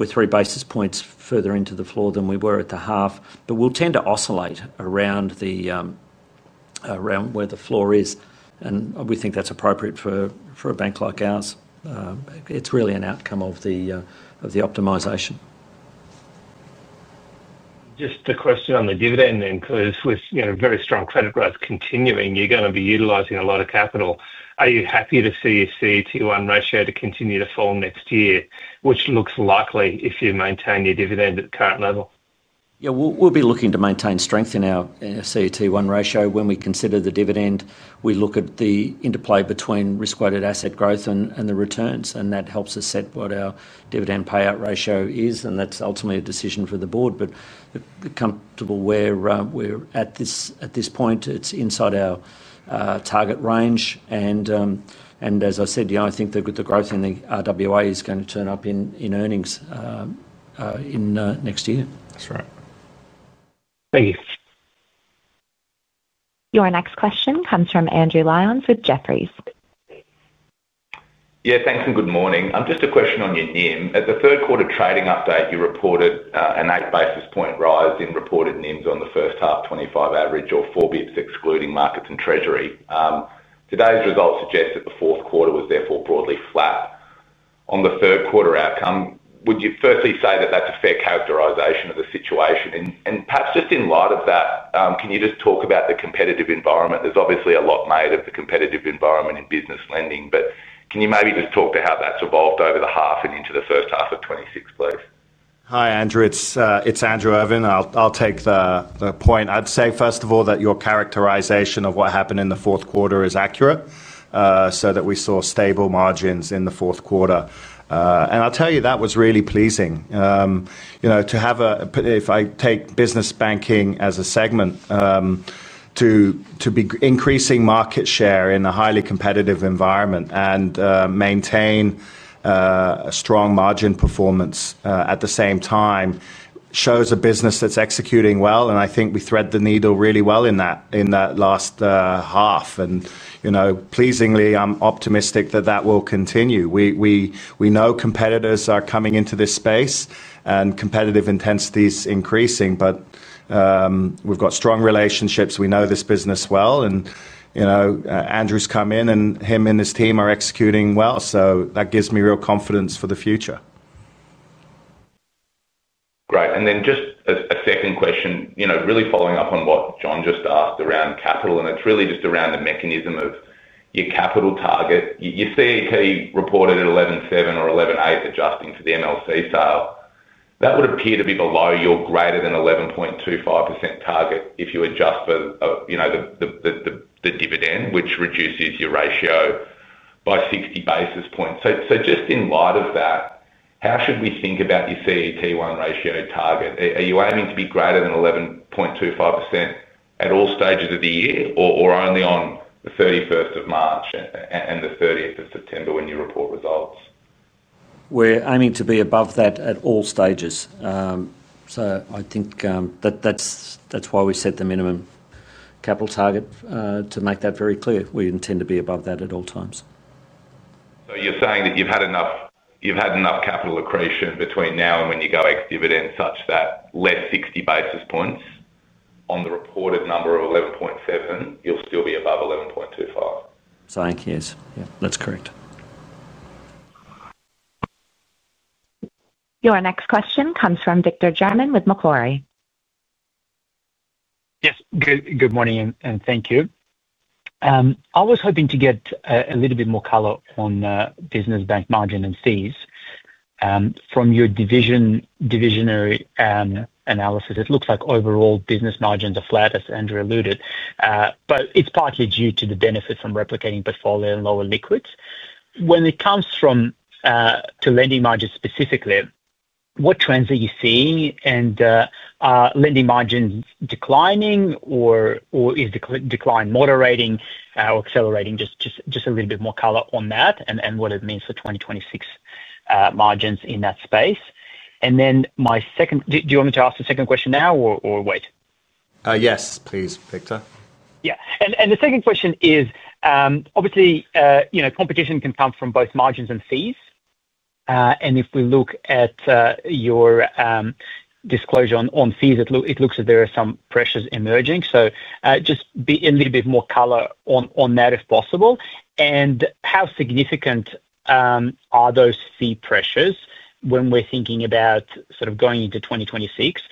We're three basis points further into the floor than we were at the half, but we'll tend to oscillate around where the floor is. We think that's appropriate for a bank like ours. It's really an outcome of the optimization. Just a question on the dividend then, because with very strong credit growth continuing, you're going to be utilizing a lot of capital. Are you happy to see your CET1 ratio continue to fall next year, which looks likely if you maintain your dividend at the current level? Yeah, we'll be looking to maintain strength in our CET1 ratio. When we consider the dividend, we look at the interplay between risk-weighted asset growth and the returns, and that helps us set what our dividend payout ratio is. That is ultimately a decision for the board. Comfortable where we are at this point, it's inside our target range. As I said, I think the growth in the RWA is going to turn up in earnings next year. That's right. Thank you. Your next question comes from Andrew Lyons with Jefferies. Yeah, thanks and good morning. I am just a question on your NIM.At the third quarter trading update, you reported an eight basis point rise in reported NIMs on the first half 2025 average, or four basis points excluding markets and treasury. Today's results suggest that the fourth quarter was therefore broadly flat. On the third quarter outcome, would you firstly say that that's a fair characterization of the situation? And perhaps just in light of that, can you just talk about the competitive environment? There's obviously a lot made of the competitive environment in business lending, but can you maybe just talk to how that's evolved over the half and into the first half of 2026, please? Hi, Andrew. It's Andrew Irvine. I'll take the point. I'd say, first of all, that your characterization of what happened in the fourth quarter is accurate. That we saw stable margins in the fourth quarter. And I'll tell you, that was really pleasing to have, if I take business banking as a segment. To be increasing market share in a highly competitive environment and maintain a strong margin performance at the same time shows a business that's executing well. I think we thread the needle really well in that last half. Pleasingly, I'm optimistic that that will continue. We know competitors are coming into this space and competitive intensity is increasing, but we've got strong relationships. We know this business well. Andrew's come in, and him and his team are executing well. That gives me real confidence for the future. Great. Just a second question, really following up on what John just asked around capital. It's really just around the mechanism of your capital target. Your CET1 reported at 11.7 or 11.8, adjusting for the MLC sale. That would appear to be below your greater than 11.25% target if you adjust for the dividend, which reduces your ratio by 60 basis points. Just in light of that, how should we think about your CET1 ratio target? Are you aiming to be greater than 11.25% at all stages of the year, or only on the 31st of March and the 30th of September when you report results? We're aiming to be above that at all stages. I think that's why we set the minimum capital target to make that very clear. We intend to be above that at all times. You're saying that you've had enough capital accretion between now and when you go ex-dividend such that less 60 basis points on the reported number of 11.7, you'll still be above 11.25%? Thank you. Yes, that's correct. Your next question comes from Victor German with Macquarie. Yes, good morning and thank you. I was hoping to get a little bit more color on business bank margin and fees. From your division analysis, it looks like overall business margins are flat, as Andrew alluded. It is partly due to the benefit from replicating portfolio and lower liquids. When it comes to lending margins specifically, what trends are you seeing? Are lending margins declining, or is the decline moderating or accelerating? Just a little bit more color on that and what it means for 2026 margins in that space. My second, do you want me to ask the second question now or wait? Yes, please, Victor. Yeah. The second question is, obviously, competition can come from both margins and fees. If we look at your disclosure on fees, it looks that there are some pressures emerging. Just be a little bit more color on that if possible. And how significant are those fee pressures when we're thinking about sort of going into 2026?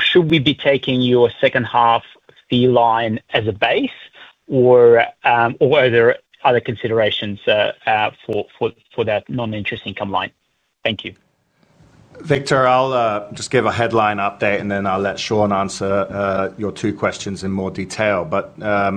Should we be taking your second half fee line as a base, or are there other considerations for that non-interest income line? Thank you. Victor, I'll just give a headline update, and then I'll let Shaun answer your two questions in more detail.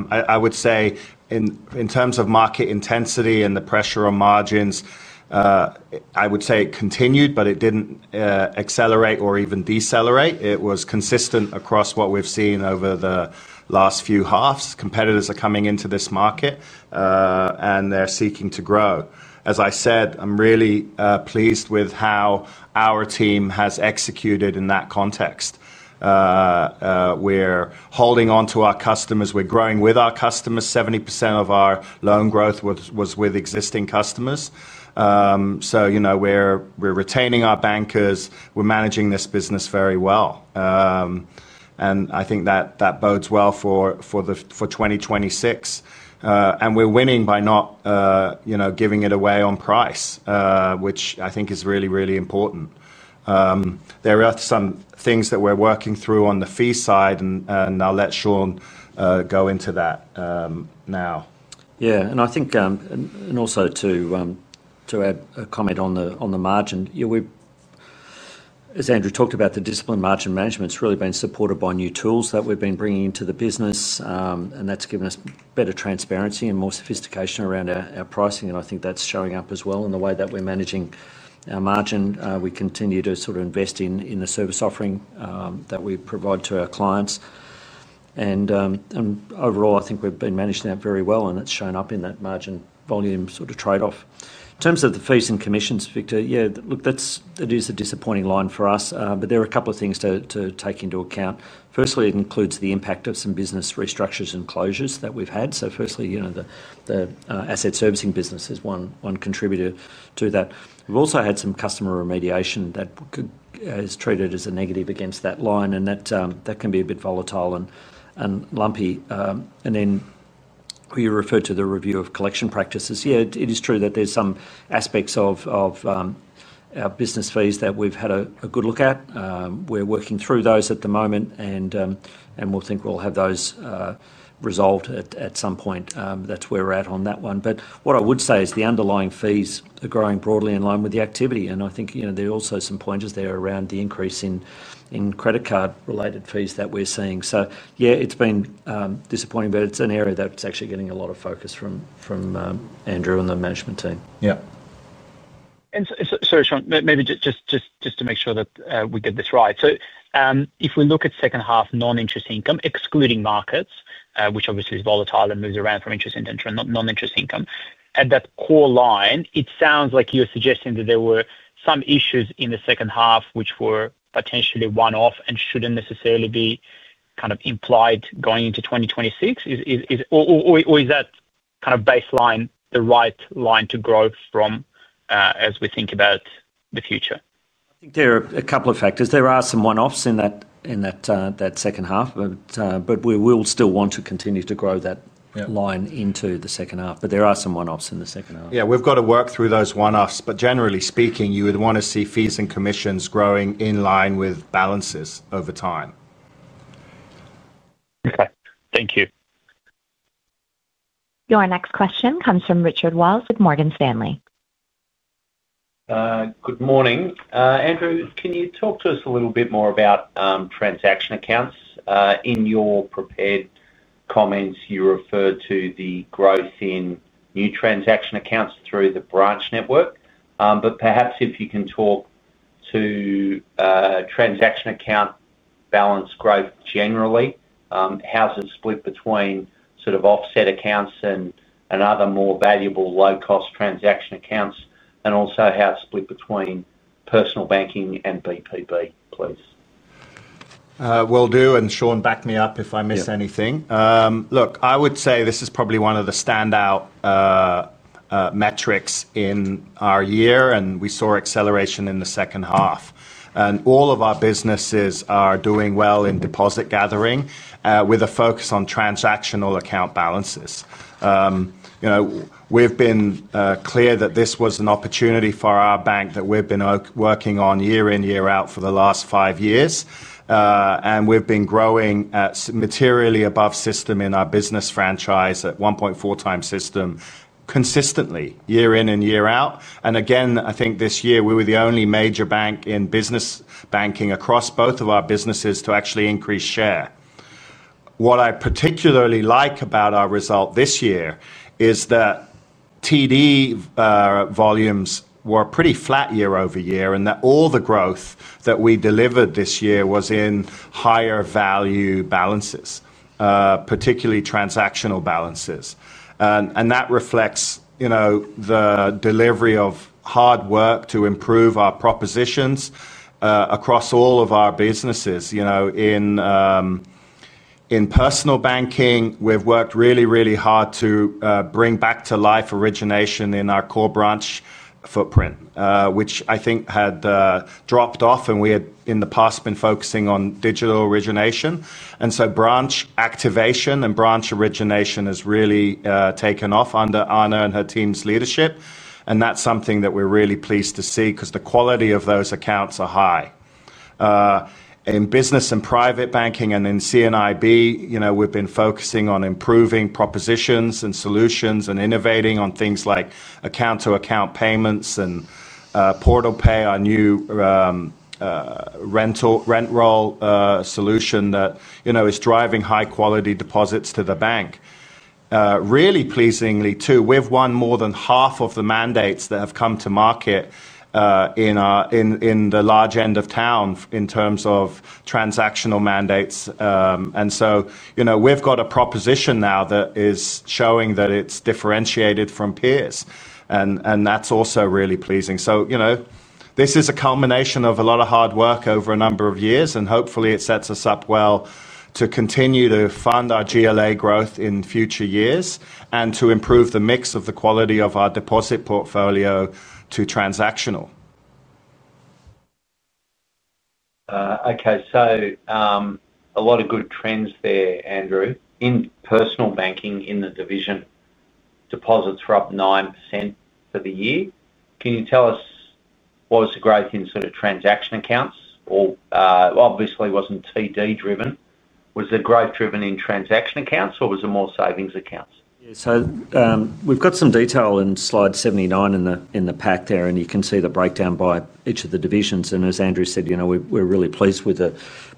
I would say in terms of market intensity and the pressure on margins, I would say it continued, but it did not accelerate or even decelerate. It was consistent across what we've seen over the last few halves. Competitors are coming into this market, and they're seeking to grow. As I said, I'm really pleased with how our team has executed in that context. We're holding on to our customers. We're growing with our customers. 70% of our loan growth was with existing customers. We're retaining our bankers. We're managing this business very well. I think that bodes well for 2026. We're winning by not giving it away on price, which I think is really, really important. There are some things that we're working through on the fee side, and I'll let Shaun go into that now. Yeah. I think, and also to add a comment on the margin, as Andrew talked about, the discipline margin management's really been supported by new tools that we've been bringing into the business. That's given us better transparency and more sophistication around our pricing. I think that's showing up as well in the way that we're managing our margin. We continue to sort of invest in the service offering that we provide to our clients. Overall, I think we've been managing that very well, and it's shown up in that margin volume sort of trade-off. In terms of the fees and commissions, Victor, yeah, look, it is a disappointing line for us, but there are a couple of things to take into account. Firstly, it includes the impact of some business restructures and closures that we've had. The asset servicing business is one contributor to that. We've also had some customer remediation that is treated as a negative against that line, and that can be a bit volatile and lumpy. You referred to the review of collection practices. Yeah, it is true that there's some aspects of our business fees that we've had a good look at. We're working through those at the moment, and we think we'll have those resolved at some point. That's where we're at on that one. What I would say is the underlying fees are growing broadly in line with the activity. I think there are also some pointers there around the increase in credit card-related fees that we're seeing. Yeah, it's been disappointing, but it's an area that's actually getting a lot of focus from Andrew and the management team. Yeah. Sorry, Shaun, maybe just to make sure that we get this right. If we look at second half non-interest income, excluding markets, which obviously is volatile and moves around from interest and non-interest income, at that core line, it sounds like you're suggesting that there were some issues in the second half which were potentially one-off and shouldn't necessarily be kind of implied going into 2026. Is that kind of baseline the right line to grow from as we think about the future? I think there are a couple of factors. There are some one-offs in that second half, but we will still want to continue to grow that line into the second half. There are some one-offs in the second half. Yeah, we've got to work through those one-offs. Generally speaking, you would want to see fees and commissions growing in line with balances over time. Okay. Thank you. Your next question comes from Richard Wiles with Morgan Stanley. Good morning. Andrew, can you talk to us a little bit more about transaction accounts? In your prepared comments, you referred to the growth in new transaction accounts through the branch network. Perhaps if you can talk to transaction account balance growth generally, how's it split between sort of offset accounts and other more valuable low-cost transaction accounts, and also how it's split between personal banking and BPB, please? Will do. And Shaun, back me up if I miss anything. Look, I would say this is probably one of the standout metrics in our year, and we saw acceleration in the second half. All of our businesses are doing well in deposit gathering with a focus on transactional account balances. We've been clear that this was an opportunity for our bank that we've been working on year in, year out for the last five years. We've been growing materially above system in our business franchise at 1.4x system consistently year in and year out. I think this year we were the only major bank in business banking across both of our businesses to actually increase share. What I particularly like about our result this year is that TD volumes were pretty flat year over year and that all the growth that we delivered this year was in higher value balances, particularly transactional balances. That reflects the delivery of hard work to improve our propositions across all of our businesses. In personal banking, we've worked really, really hard to bring back to life origination in our core branch footprint, which I think had dropped off. We had, in the past, been focusing on digital origination. Branch activation and branch origination has really taken off under Anna and her team's leadership. That is something that we are really pleased to see because the quality of those accounts is high. In business and private banking and in CNIB, we have been focusing on improving propositions and solutions and innovating on things like account-to-account payments and Portal Pay, our new rent-roll solution that is driving high-quality deposits to the bank. Really pleasingly too, we have won more than half of the mandates that have come to market in the large end of town in terms of transactional mandates. We have a proposition now that is showing that it is differentiated from peers. That is also really pleasing. This is a culmination of a lot of hard work over a number of years, and hopefully it sets us up well to continue to fund our GLA growth in future years and to improve the mix of the quality of our deposit portfolio to transactional. Okay. A lot of good trends there, Andrew. In personal banking in the division. Deposits were up 9% for the year. Can you tell us what was the growth in sort of transaction accounts? Obviously, it was not TD-driven. Was the growth driven in transaction accounts, or was it more savings accounts? Yeah. We have some detail in slide 79 in the pack there, and you can see the breakdown by each of the divisions. As Andrew said, we are really pleased with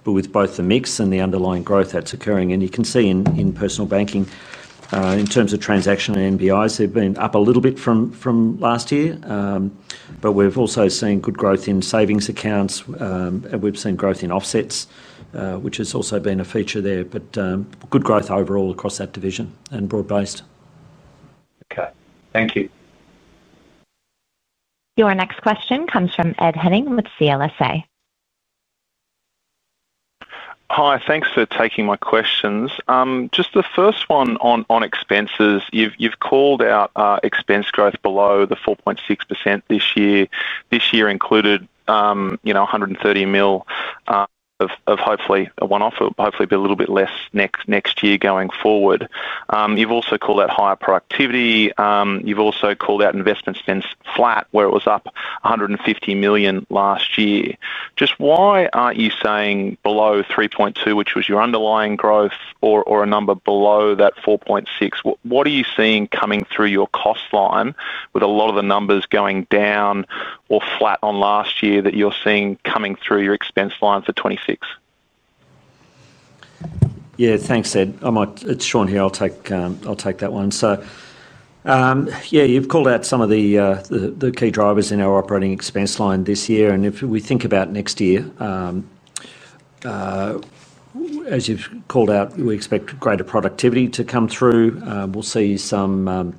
both the mix and the underlying growth that is occurring. You can see in personal banking, in terms of transaction and NBIs, they've been up a little bit from last year. We've also seen good growth in savings accounts, and we've seen growth in offsets, which has also been a feature there. Good growth overall across that division and broad-based. Okay. Thank you. Your next question comes from Ed Henning with CLSA. Hi. Thanks for taking my questions. Just the first one on expenses, you've called out expense growth below the 4.6% this year. This year included 130 million of hopefully a one-off, hopefully be a little bit less next year going forward. You've also called out higher productivity. You've also called out investment spend flat, where it was up 150 million last year. Just why aren't you saying below 3.2, which was your underlying growth, or a number below that 4.6%? What are you seeing coming through your cost line with a lot of the numbers going down or flat on last year that you're seeing coming through your expense line for 2026? Yeah. Thanks, Ed. It's Shaun here. I'll take that one. Yeah, you've called out some of the key drivers in our operating expense line this year. If we think about next year, as you've called out, we expect greater productivity to come through. We'll see some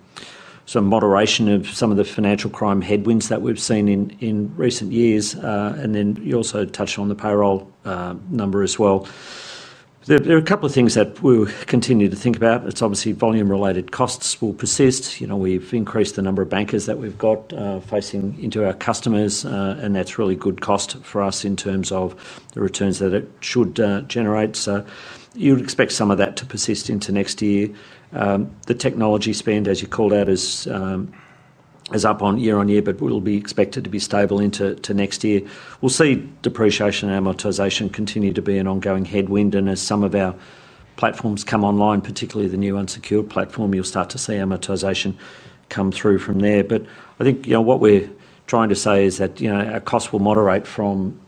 moderation of some of the financial crime headwinds that we've seen in recent years. You also touched on the payroll number as well. There are a couple of things that we'll continue to think about. It's obviously volume-related costs will persist. We've increased the number of bankers that we've got facing into our customers, and that's really good cost for us in terms of the returns that it should generate. You'd expect some of that to persist into next year. The technology spend, as you called out, is up year on year, but we'll be expected to be stable into next year. We'll see depreciation and amortization continue to be an ongoing headwind. As some of our platforms come online, particularly the new unsecured platform, you'll start to see amortization come through from there. I think what we're trying to say is that our costs will moderate from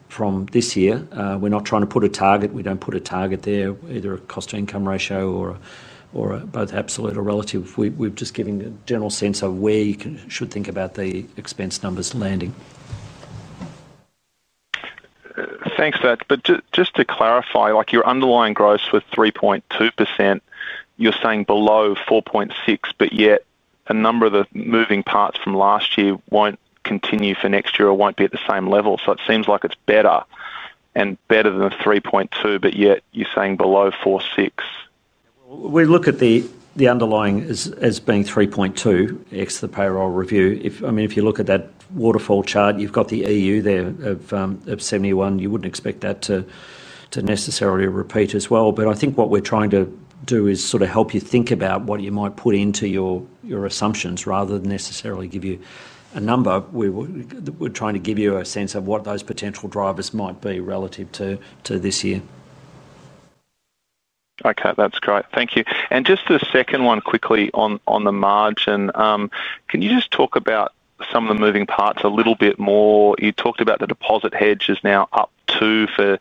this year. We're not trying to put a target. We don't put a target there, either a cost-to-income ratio or both absolute or relative. We're just giving a general sense of where you should think about the expense numbers landing. Thanks, that. Just to clarify, your underlying growth was 3.2%. You're saying below 4.6%, but yet a number of the moving parts from last year will not continue for next year or will not be at the same level. It seems like it is better and better than 3.2%, but yet you're saying below 4.6%. We look at the underlying as being 3.2% ex the payroll review. I mean, if you look at that waterfall chart, you have the EU there of 71. You would not expect that to necessarily repeat as well. I think what we are trying to do is help you think about what you might put into your assumptions rather than necessarily give you a number. We are trying to give you a sense of what those potential drivers might be relative to this year. Okay. That is great. Thank you. Just the second one quickly on the margin. Can you just talk about some of the moving parts a little bit more? You talked about the deposit hedge is now up two for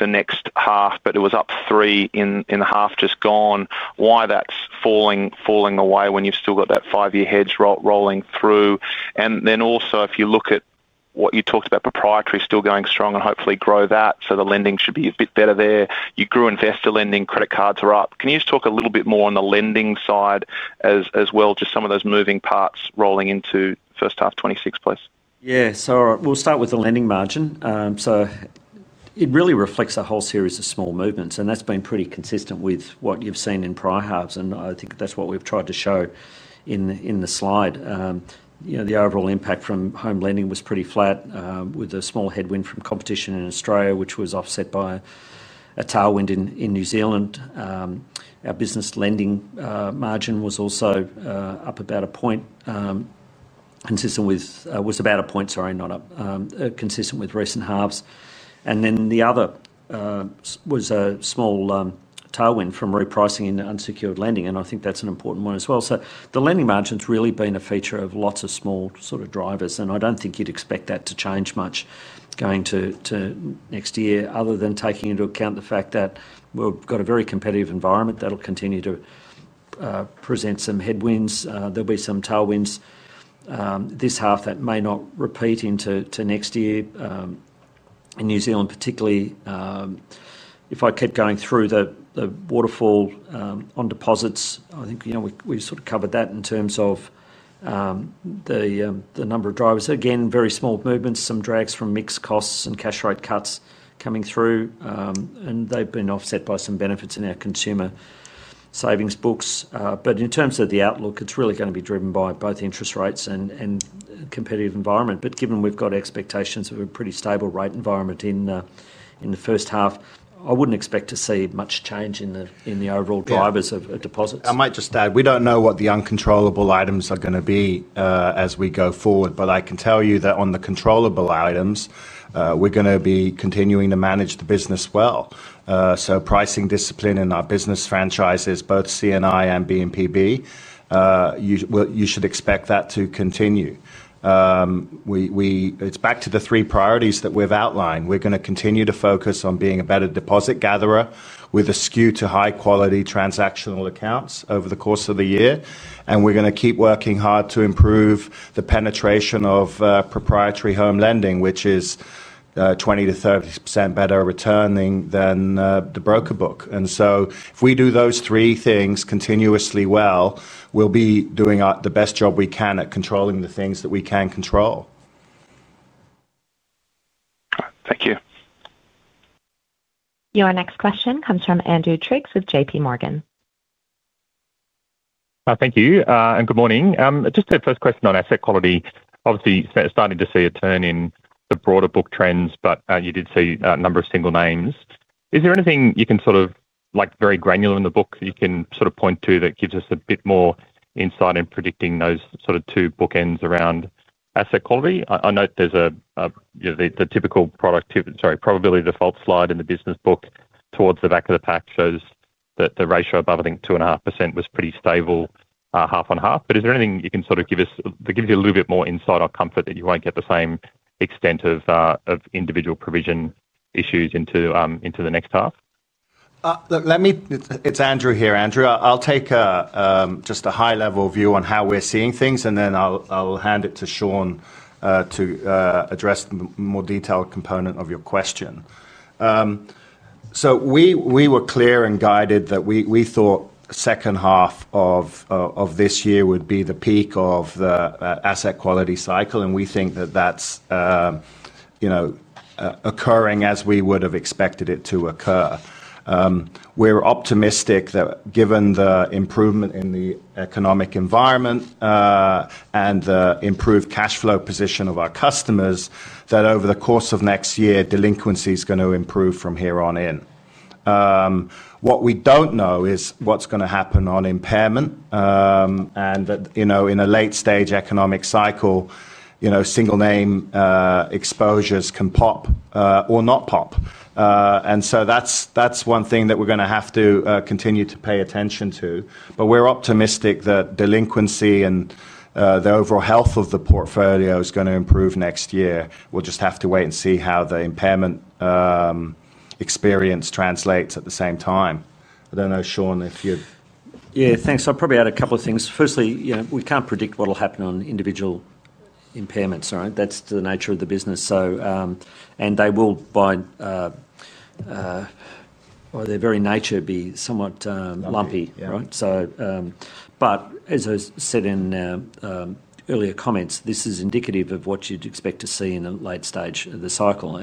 next half, but it was up three in the half just gone. Why is that falling away when you have still got that five-year hedge rolling through? Also, if you look at what you talked about, proprietary still going strong and hopefully grow that. The lending should be a bit better there. You grew investor lending. Credit cards are up. Can you just talk a little bit more on the lending side as well, just some of those moving parts rolling into first half 2026, please? Yeah. We will start with the lending margin. It really reflects a whole series of small movements, and that's been pretty consistent with what you've seen in prior halves. I think that's what we've tried to show in the slide. The overall impact from home lending was pretty flat with a small headwind from competition in Australia, which was offset by a tailwind in New Zealand. Our business lending margin was also up about a point. About a point, sorry, not consistent with recent halves. The other was a small tailwind from repricing in unsecured lending. I think that's an important one as well. The lending margin's really been a feature of lots of small sort of drivers. I don't think you'd expect that to change much going to next year other than taking into account the fact that we've got a very competitive environment that'll continue to present some headwinds. There'll be some tailwinds. This half that may not repeat into next year. In New Zealand, particularly. If I kept going through the waterfall on deposits, I think we've sort of covered that in terms of the number of drivers. Again, very small movements, some drags from mixed costs and cash rate cuts coming through. They've been offset by some benefits in our consumer savings books. In terms of the outlook, it's really going to be driven by both interest rates and competitive environment. Given we've got expectations of a pretty stable rate environment in the first half, I wouldn't expect to see much change in the overall drivers of deposits. I might just add, we don't know what the uncontrollable items are going to be as we go forward. I can tell you that on the controllable items, we're going to be continuing to manage the business well. Pricing discipline in our business franchises, both CNI and BMPB. You should expect that to continue. It's back to the three priorities that we've outlined. We're going to continue to focus on being a better deposit gatherer with a skew to high-quality transactional accounts over the course of the year. We're going to keep working hard to improve the penetration of proprietary home lending, which is 20%-30% better returning than the broker book. If we do those three things continuously well, we'll be doing the best job we can at controlling the things that we can control. Thank you. Your next question comes from Andrew Triggs with JPMorgan. Thank you. Good morning. Just a first question on asset quality. Obviously, starting to see a turn in the broader book trends, but you did see a number of single names. Is there anything you can sort of very granular in the book that you can sort of point to that gives us a bit more insight in predicting those sort of two bookends around asset quality? I note there is the typical probability of default slide in the business book towards the back of the pack shows that the ratio above, I think, 2.5% was pretty stable, half on half. Is there anything you can sort of give us that gives you a little bit more insight on comfort that you will not get the same extent of individual provision issues into the next half? It is Andrew here, Andrew. I'll take just a high-level view on how we're seeing things, and then I'll hand it to Shaun to address the more detailed component of your question. We were clear and guided that we thought second half of this year would be the peak of the asset quality cycle. We think that that's occurring as we would have expected it to occur. We're optimistic that given the improvement in the economic environment and the improved cash flow position of our customers, that over the course of next year, delinquency is going to improve from here on in. What we don't know is what's going to happen on impairment. In a late-stage economic cycle, single name exposures can pop or not pop. That's one thing that we're going to have to continue to pay attention to. We're optimistic that delinquency and the overall health of the portfolio is going to improve next year. We'll just have to wait and see how the impairment experience translates at the same time. I don't know, Shaun, if you'd. Yeah. Thanks. I'll probably add a couple of things. Firstly, we can't predict what'll happen on individual impairments, right? That's the nature of the business. They will, by their very nature, be somewhat lumpy, right? As I said in earlier comments, this is indicative of what you'd expect to see in the late stage of the cycle.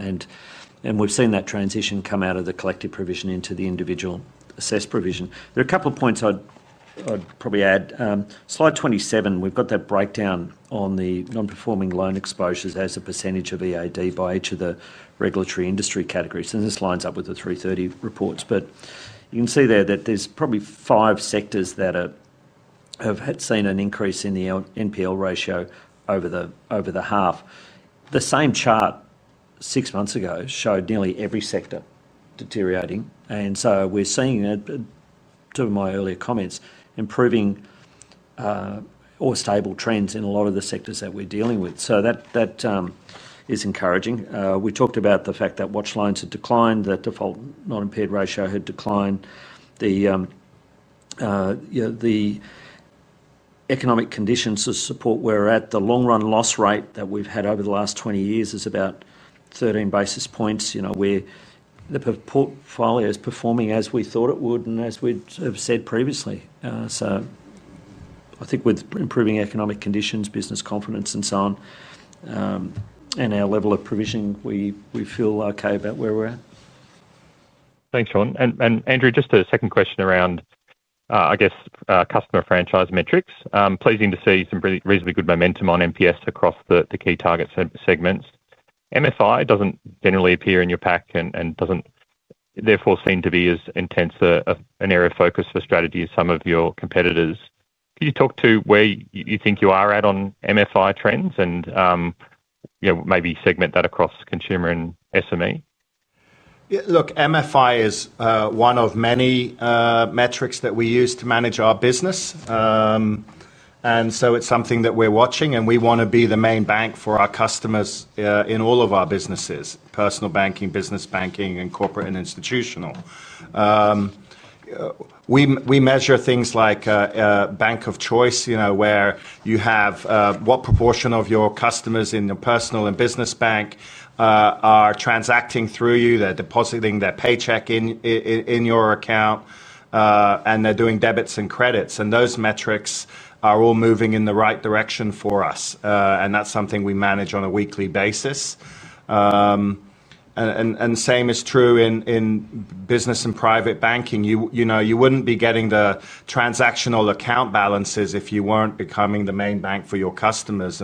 We've seen that transition come out of the collective provision into the individual assessed provision. There are a couple of points I'd probably add. Slide 27, we've got that breakdown on the non-performing loan exposures as a percentage of EAD by each of the regulatory industry categories. This lines up with the 330 reports. You can see there that there's probably five sectors that have seen an increase in the NPL ratio over the half. The same chart six months ago showed nearly every sector deteriorating. We are seeing, to two of my earlier comments, improving or stable trends in a lot of the sectors that we're dealing with. That is encouraging. We talked about the fact that watch lines had declined, the default non-impaired ratio had declined. The economic conditions support where we're at. The long-run loss rate that we've had over the last 20 years is about 13 basis points. The portfolio is performing as we thought it would and as we'd said previously. I think with improving economic conditions, business confidence, and so on, and our level of provision, we feel okay about where we're at. Thanks, Shaun. Andrew, just a second question around, I guess, customer franchise metrics. Pleasing to see some reasonably good momentum on NPS across the key target segments. MFI does not generally appear in your pack and does not therefore seem to be as intense an area of focus for strategy as some of your competitors. Can you talk to where you think you are at on MFI trends and maybe segment that across consumer and SME? Look, MFI is one of many metrics that we use to manage our business. It is something that we are watching, and we want to be the main bank for our customers in all of our businesses: personal banking, business banking, and corporate and institutional. We measure things like bank of choice, where you have what proportion of your customers in your personal and business bank are transacting through you. They are depositing their paycheck in your account. They're doing debits and credits. Those metrics are all moving in the right direction for us. That's something we manage on a weekly basis. The same is true in business and private banking. You wouldn't be getting the transactional account balances if you weren't becoming the main bank for your customers.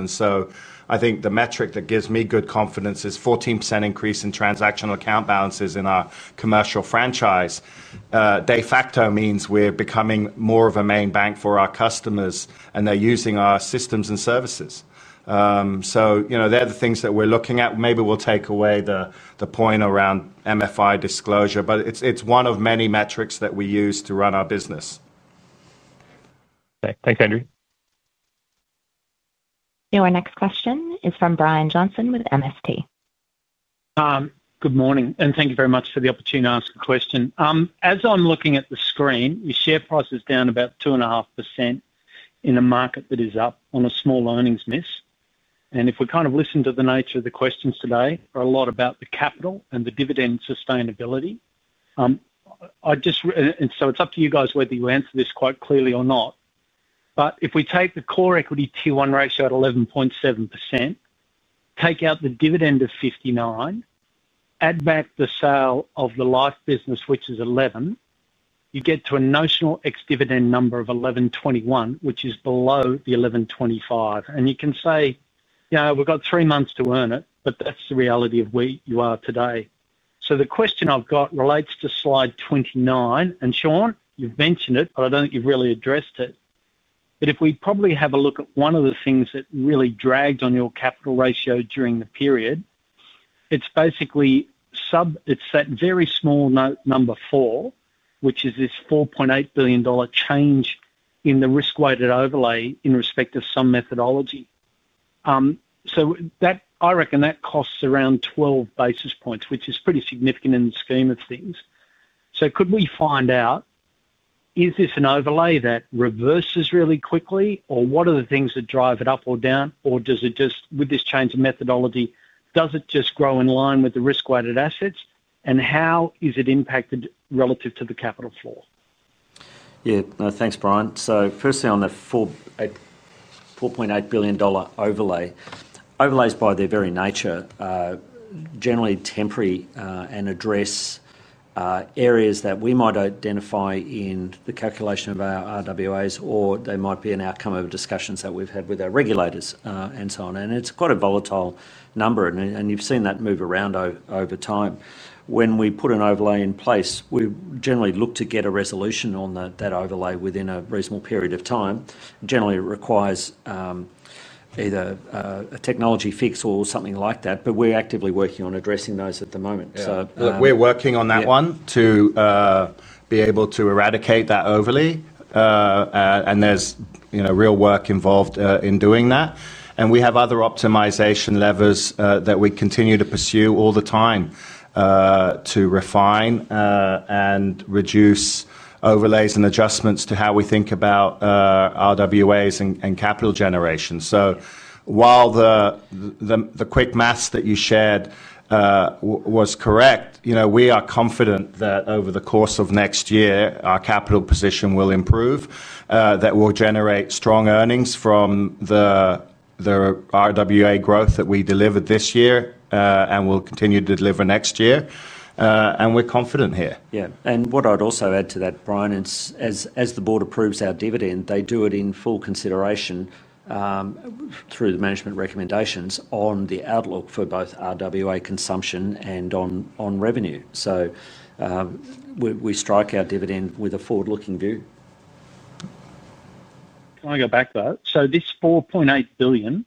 I think the metric that gives me good confidence is a 14% increase in transactional account balances in our commercial franchise. De facto, it means we're becoming more of a main bank for our customers, and they're using our systems and services. They're the things that we're looking at. Maybe we'll take away the point around MFI disclosure, but it's one of many metrics that we use to run our business. Thanks, Andrew. Your next question is from Brian Johnson with MST. Good morning. Thank you very much for the opportunity to ask a question. As I'm looking at the screen, your share price is down about 2.5% in a market that is up on a small earnings miss. If we kind of listen to the nature of the questions today, there are a lot about the capital and the dividend sustainability. It is up to you guys whether you answer this quite clearly or not. If we take the core equity T1 ratio at 11.7%, take out the dividend of 0.59, add back the sale of the life business, which is 0.11, you get to a notional ex-dividend number of 11.21%, which is below the 11.25%. You can say, "We've got three months to earn it," but that is the reality of where you are today. The question I have relates to slide 29. Shaun, you've mentioned it, but I don't think you've really addressed it. If we probably have a look at one of the things that really dragged on your capital ratio during the period, it's basically, it's that very small number four, which is this 4.8 billion dollar change in the risk-weighted overlay in respect of some methodology. I reckon that costs around 12 basis points, which is pretty significant in the scheme of things. Could we find out, is this an overlay that reverses really quickly, or what are the things that drive it up or down, or does it just, with this change of methodology, does it just grow in line with the risk-weighted assets, and how is it impacted relative to the capital floor? Yeah. Thanks, Brian. Firstly, on the 4.8 billion dollar overlay, overlays by their very nature are generally temporary and address. Areas that we might identify in the calculation of our RWAs, or they might be an outcome of discussions that we've had with our regulators and so on. It's quite a volatile number. You've seen that move around over time. When we put an overlay in place, we generally look to get a resolution on that overlay within a reasonable period of time. Generally, it requires either a technology fix or something like that. We're actively working on addressing those at the moment. We're working on that one to be able to eradicate that overlay. There's real work involved in doing that. We have other optimization levers that we continue to pursue all the time to refine and reduce overlays and adjustments to how we think about RWAs and capital generation. While the quick maths that you shared was correct, we are confident that over the course of next year, our capital position will improve, that we'll generate strong earnings from the RWA growth that we delivered this year and will continue to deliver next year. We are confident here. Yeah. What I'd also add to that, Brian, is as the board approves our dividend, they do it in full consideration through the management recommendations on the outlook for both RWA consumption and on revenue. We strike our dividend with a forward-looking view. Can I go back to that? This 4.8 billion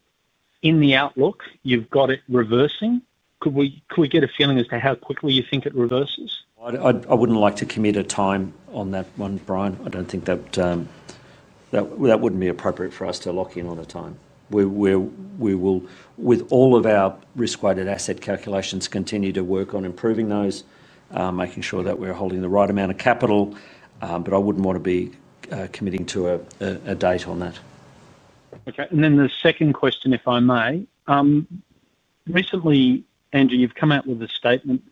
in the outlook, you've got it reversing. Could we get a feeling as to how quickly you think it reverses? I wouldn't like to commit a time on that one, Brian. I don't think that would be appropriate for us to lock in on a time. We will, with all of our risk-weighted asset calculations, continue to work on improving those, making sure that we're holding the right amount of capital. I would not want to be committing to a date on that. Okay. The second question, if I may. Recently, Andrew, you've come out with a statement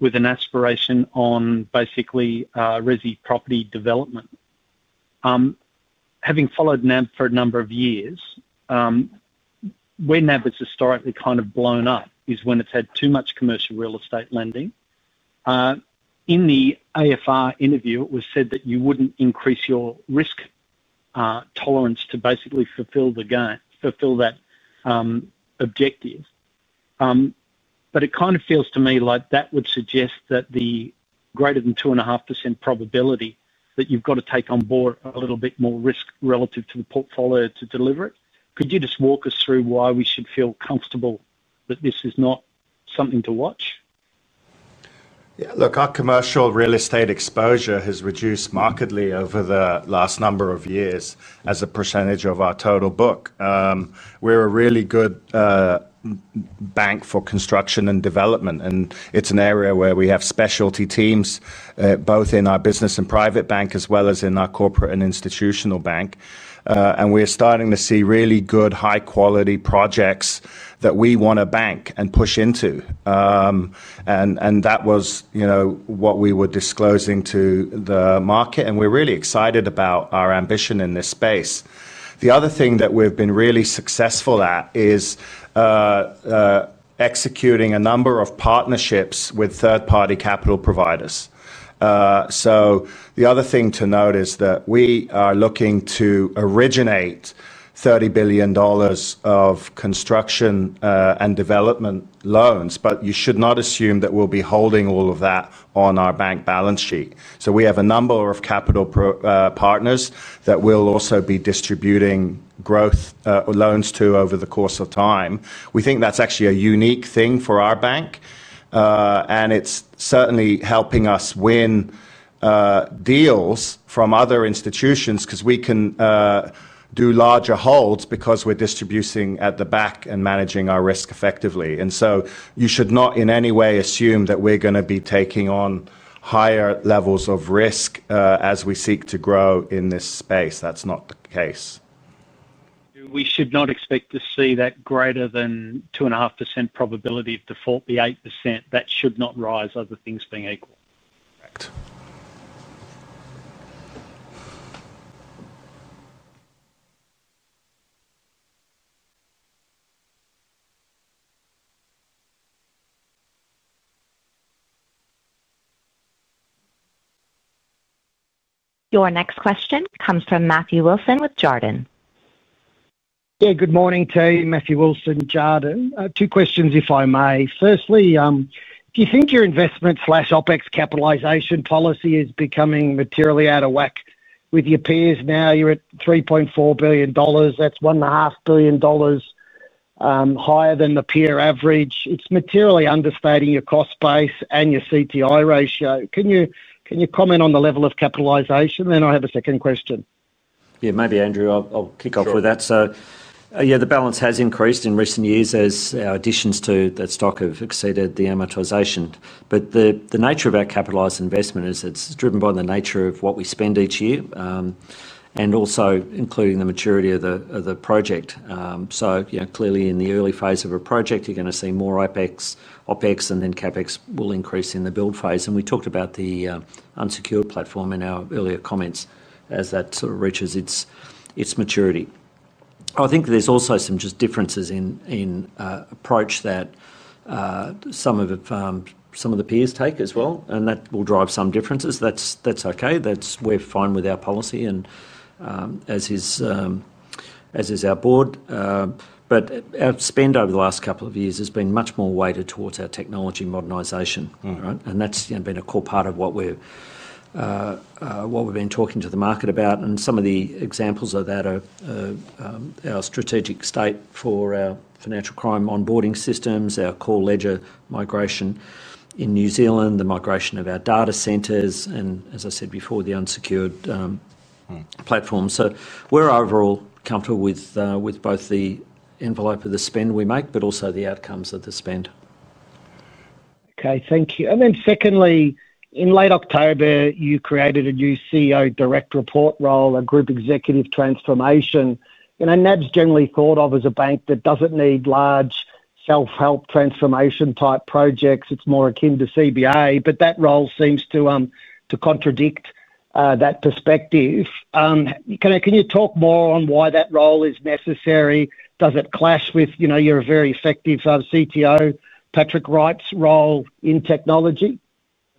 with an aspiration on basically RESI property development. Having followed NAB for a number of years. When NAB has historically kind of blown up is when it's had too much commercial real estate lending. In the AFR interview, it was said that you would not increase your risk tolerance to basically fulfill that objective. It kind of feels to me like that would suggest that the greater than 2.5% probability that you've got to take on board a little bit more risk relative to the portfolio to deliver it. Could you just walk us through why we should feel comfortable that this is not something to watch? Yeah. Look, our commercial real estate exposure has reduced markedly over the last number of years as a percentage of our total book. We're a really good bank for construction and development. It's an area where we have specialty teams, both in our business and private bank as well as in our corporate and institutional bank. We're starting to see really good, high-quality projects that we want to bank and push into. That was what we were disclosing to the market. We're really excited about our ambition in this space. The other thing that we've been really successful at is executing a number of partnerships with third-party capital providers. The other thing to note is that we are looking to originate 30 billion dollars of construction and development loans, but you should not assume that we'll be holding all of that on our bank balance sheet. We have a number of capital partners that we'll also be distributing growth loans to over the course of time. We think that's actually a unique thing for our bank. It is certainly helping us win deals from other institutions because we can do larger holds because we're distributing at the back and managing our risk effectively. You should not in any way assume that we're going to be taking on higher levels of risk as we seek to grow in this space. That's not the case. You should not expect to see that greater than 2.5% probability of default be 8%. That should not rise, other things being equal. Correct. Your next question comes from Matthew Wilson with Jarden. Yeah. Good morning to you, Matthew Wilson with Jarden. Two questions, if I may. Firstly, do you think your investment/OpEx capitalization policy is becoming materially out of whack with your peers now? You're at 3.4 billion dollars. That's 1.5 billion dollars higher than the peer average. It's materially understating your cost base and your CTI ratio. Can you comment on the level of capitalization? Then I have a second question. Yeah. Maybe, Andrew. I'll kick off with that. Yeah, the balance has increased in recent years as our additions to that stock have exceeded the amortization. The nature of our capitalized investment is it's driven by the nature of what we spend each year and also including the maturity of the project. Clearly, in the early phase of a project, you're going to see more OpEx, and then CapEx will increase in the build phase. We talked about the unsecured platform in our earlier comments as that sort of reaches its maturity. I think there's also some just differences in approach that some of the peers take as well, and that will drive some differences. That's okay. We're fine with our policy, as is our board. Our spend over the last couple of years has been much more weighted towards our technology modernization, right? That's been a core part of what we've been talking to the market about. Some of the examples of that are our strategic state for our financial crime onboarding systems, our core ledger migration in New Zealand, the migration of our data centers, and as I said before, the unsecured platform. We're overall comfortable with both the envelope of the spend we make but also the outcomes of the spend. Okay. Thank you. Secondly, in late October, you created a new CEO direct report role, a Group Executive Transformation. NAB's generally thought of as a bank that does not need large self-help transformation type projects. It is more akin to CBA, but that role seems to contradict that perspective. Can you talk more on why that role is necessary? Does it clash with your very effective CTO, Patrick Wright's role in technology?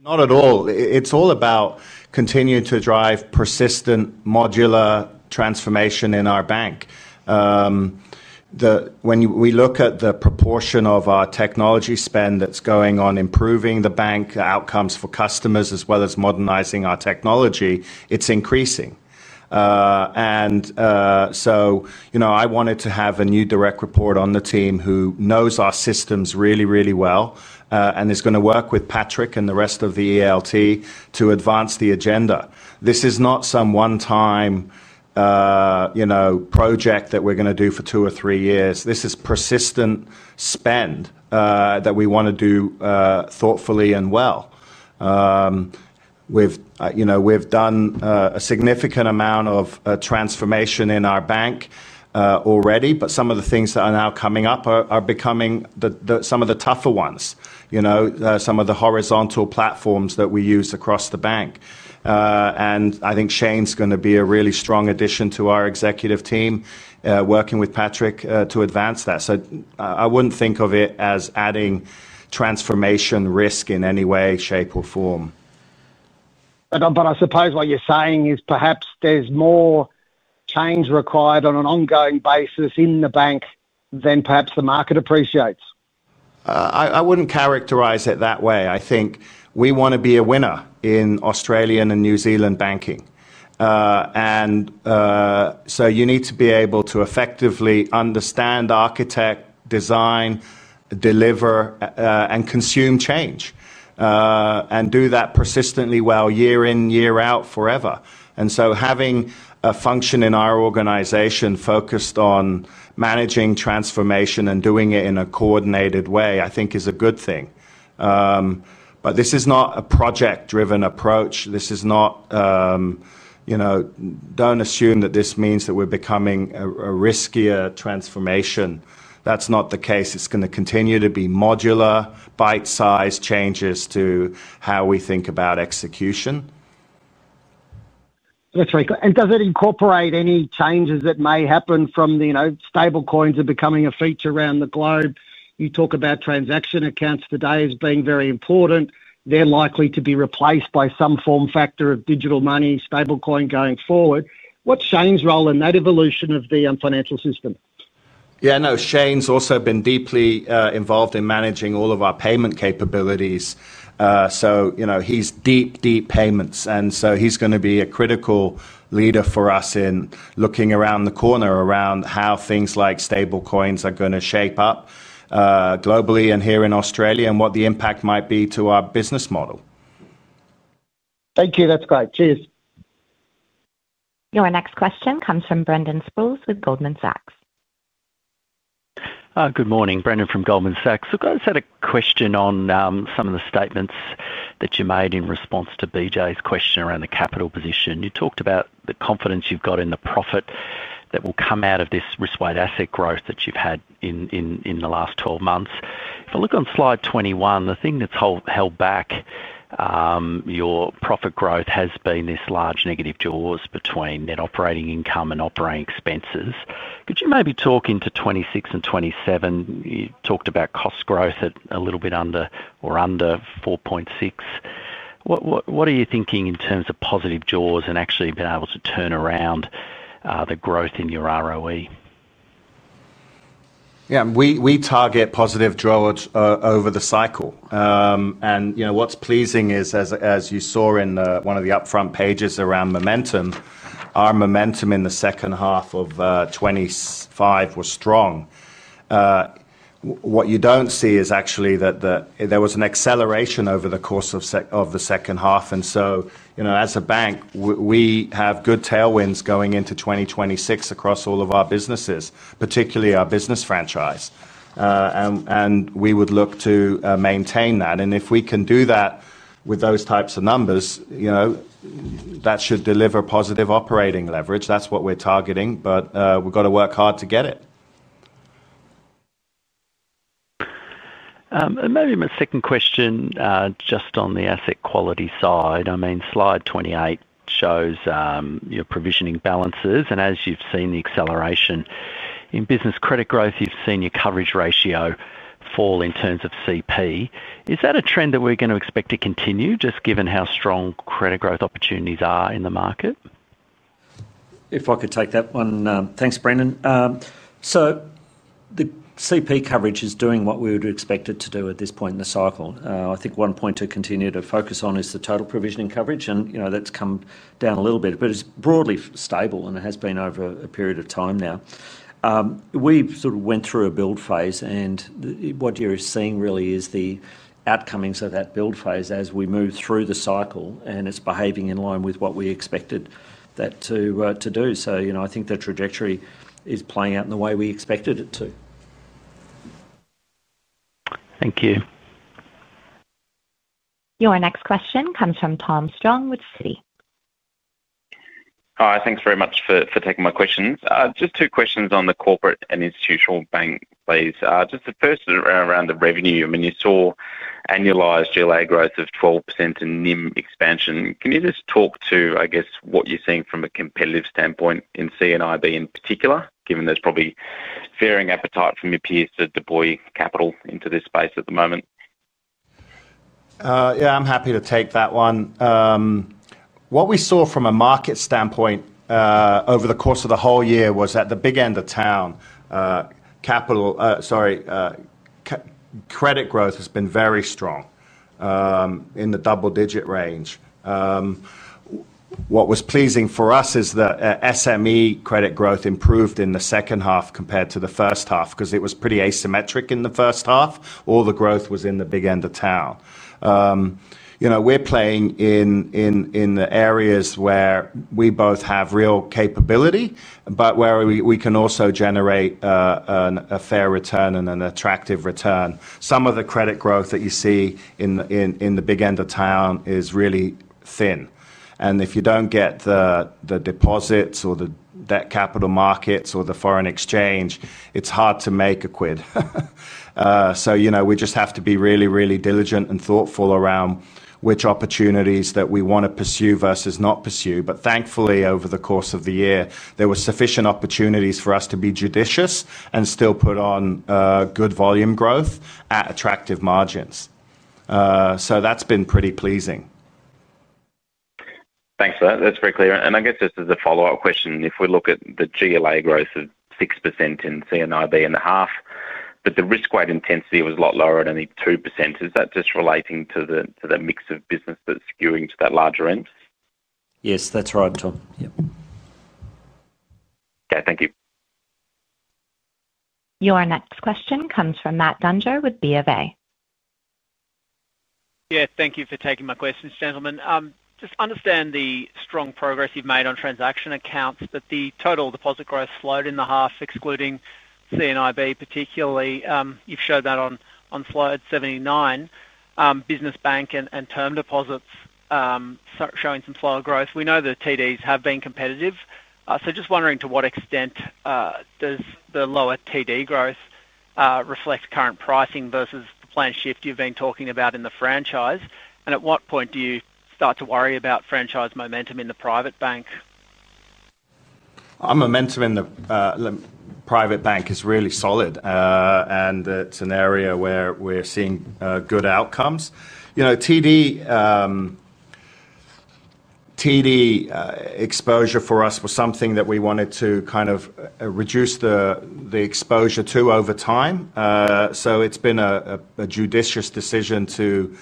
Not at all. It is all about continuing to drive persistent modular transformation in our bank. When we look at the proportion of our technology spend that is going on improving the bank outcomes for customers as well as modernizing our technology, it is increasing. I wanted to have a new direct report on the team who knows our systems really, really well and is going to work with Patrick and the rest of the ELT to advance the agenda. This is not some one-time project that we're going to do for two or three years. This is persistent spend that we want to do thoughtfully and well. We've done a significant amount of transformation in our bank already, but some of the things that are now coming up are becoming some of the tougher ones. Some of the horizontal platforms that we use across the bank. I think Shane's going to be a really strong addition to our executive team, working with Patrick to advance that. I wouldn't think of it as adding transformation risk in any way, shape, or form. I suppose what you're saying is perhaps there's more change required on an ongoing basis in the bank than perhaps the market appreciates. I would not characterize it that way. I think we want to be a winner in Australian and New Zealand banking. You need to be able to effectively understand, architect, design, deliver, and consume change. Do that persistently well, year in, year out, forever. Having a function in our organization focused on managing transformation and doing it in a coordinated way, I think, is a good thing. This is not a project-driven approach. Do not assume that this means that we are becoming a riskier transformation. That is not the case. It is going to continue to be modular, bite-sized changes to how we think about execution. That is very good. Does it incorporate any changes that may happen from the stablecoins becoming a feature around the globe? You talk about transaction accounts today as being very important. They're likely to be replaced by some form factor of digital money, stablecoin going forward. What's Shane's role in that evolution of the financial system? Yeah. No. Shane's also been deeply involved in managing all of our payment capabilities. So he's deep, deep payments. And so he's going to be a critical leader for us in looking around the corner around how things like stablecoins are going to shape up. Globally and here in Australia and what the impact might be to our business model. Thank you. That's great. Cheers. Your next question comes from Brendan Sproules with Goldman Sachs. Good morning. Brendan from Goldman Sachs. I've got a set of questions on some of the statements that you made in response to BJ's question around the capital position. You talked about the confidence you've got in the profit that will come out of this risk-weighted asset growth that you've had in the last 12 months. If I look on slide 21, the thing that's held back your profit growth has been this large negative draws between net operating income and operating expenses. Could you maybe talk into 26 and 27? You talked about cost growth a little bit under or under 4.6%. What are you thinking in terms of positive draws and actually being able to turn around the growth in your ROE? Yeah. We target positive draws over the cycle. And what's pleasing is, as you saw in one of the upfront pages around momentum, our momentum in the second half of 2025 was strong. What you don't see is actually that there was an acceleration over the course of the second half. As a bank, we have good tailwinds going into 2026 across all of our businesses, particularly our business franchise. We would look to maintain that. If we can do that with those types of numbers, that should deliver positive operating leverage. That is what we are targeting, but we have to work hard to get it. Maybe my second question just on the asset quality side. I mean, slide 28 shows your provisioning balances. As you have seen the acceleration in business credit growth, you have seen your coverage ratio fall in terms of CP. Is that a trend that we are going to expect to continue, just given how strong credit growth opportunities are in the market? If I could take that one. Thanks, Brendan. The CP coverage is doing what we would expect it to do at this point in the cycle. I think one point to continue to focus on is the total provisioning coverage, and that's come down a little bit, but it's broadly stable, and it has been over a period of time now. We sort of went through a build phase, and what you're seeing really is the outcomings of that build phase as we move through the cycle, and it's behaving in line with what we expected that to do. I think the trajectory is playing out in the way we expected it to. Thank you. Your next question comes from Tom Strong with Citi. Hi. Thanks very much for taking my questions. Just two questions on the corporate and institutional bank, please. Just the first is around the revenue. I mean, you saw annualized GLA growth of 12% and NIM expansion. Can you just talk to, I guess, what you're seeing from a competitive standpoint in CNIB in particular, given there's probably fearing appetite from your peers to deploy capital into this space at the moment? Yeah. I'm happy to take that one. What we saw from a market standpoint over the course of the whole year was that the big end of town, capital—sorry, credit growth has been very strong, in the double-digit range. What was pleasing for us is that SME credit growth improved in the second half compared to the first half because it was pretty asymmetric in the first half. All the growth was in the big end of town. We're playing in the areas where we both have real capability but where we can also generate a fair return and an attractive return. Some of the credit growth that you see in the big end of town is really thin. If you do not get the deposits or the debt capital markets or the foreign exchange, it is hard to make a quid. We just have to be really, really diligent and thoughtful around which opportunities that we want to pursue versus not pursue. Thankfully, over the course of the year, there were sufficient opportunities for us to be judicious and still put on good volume growth at attractive margins. That has been pretty pleasing. Thanks for that. That is very clear. I guess just as a follow-up question, if we look at the GLA growth of 6% in CNIB in the half, but the risk-weighted intensity was a lot lower at only 2%. Is that just relating to the mix of business that is skewing to that larger end? Yes. That's right, Tom. Yep. Okay. Thank you. Your next question comes from Matt Dunger with Bank of America. Yeah. Thank you for taking my questions, gentlemen. Just understand the strong progress you've made on transaction accounts, but the total deposit growth slowed in the half, excluding CNIB particularly. You've showed that on slide 79. Business bank and term deposits. Showing some slower growth. We know the TDs have been competitive. Just wondering to what extent does the lower TD growth reflect current pricing versus the planned shift you've been talking about in the franchise? At what point do you start to worry about franchise momentum in the private bank? Momentum in the private bank is really solid, and it's an area where we're seeing good outcomes. TD exposure for us was something that we wanted to kind of reduce the exposure to over time. It's been a judicious decision to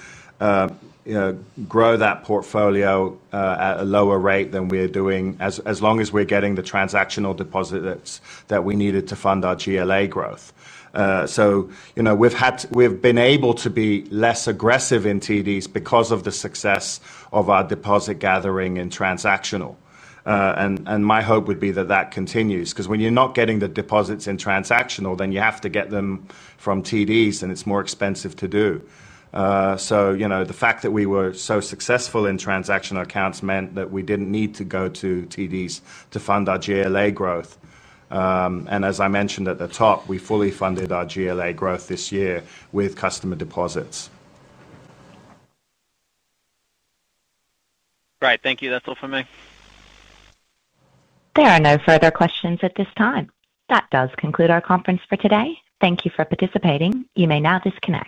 grow that portfolio at a lower rate than we're doing as long as we're getting the transactional deposits that we needed to fund our GLA growth. We've been able to be less aggressive in TDs because of the success of our deposit gathering in transactional. My hope would be that that continues because when you're not getting the deposits in transactional, then you have to get them from TDs, and it's more expensive to do. The fact that we were so successful in transactional accounts meant that we didn't need to go to TDs to fund our GLA growth. As I mentioned at the top, we fully funded our GLA growth this year with customer deposits. Great. Thank you. That's all for me. There are no further questions at this time. That does conclude our conference for today. Thank you for participating. You may now disconnect.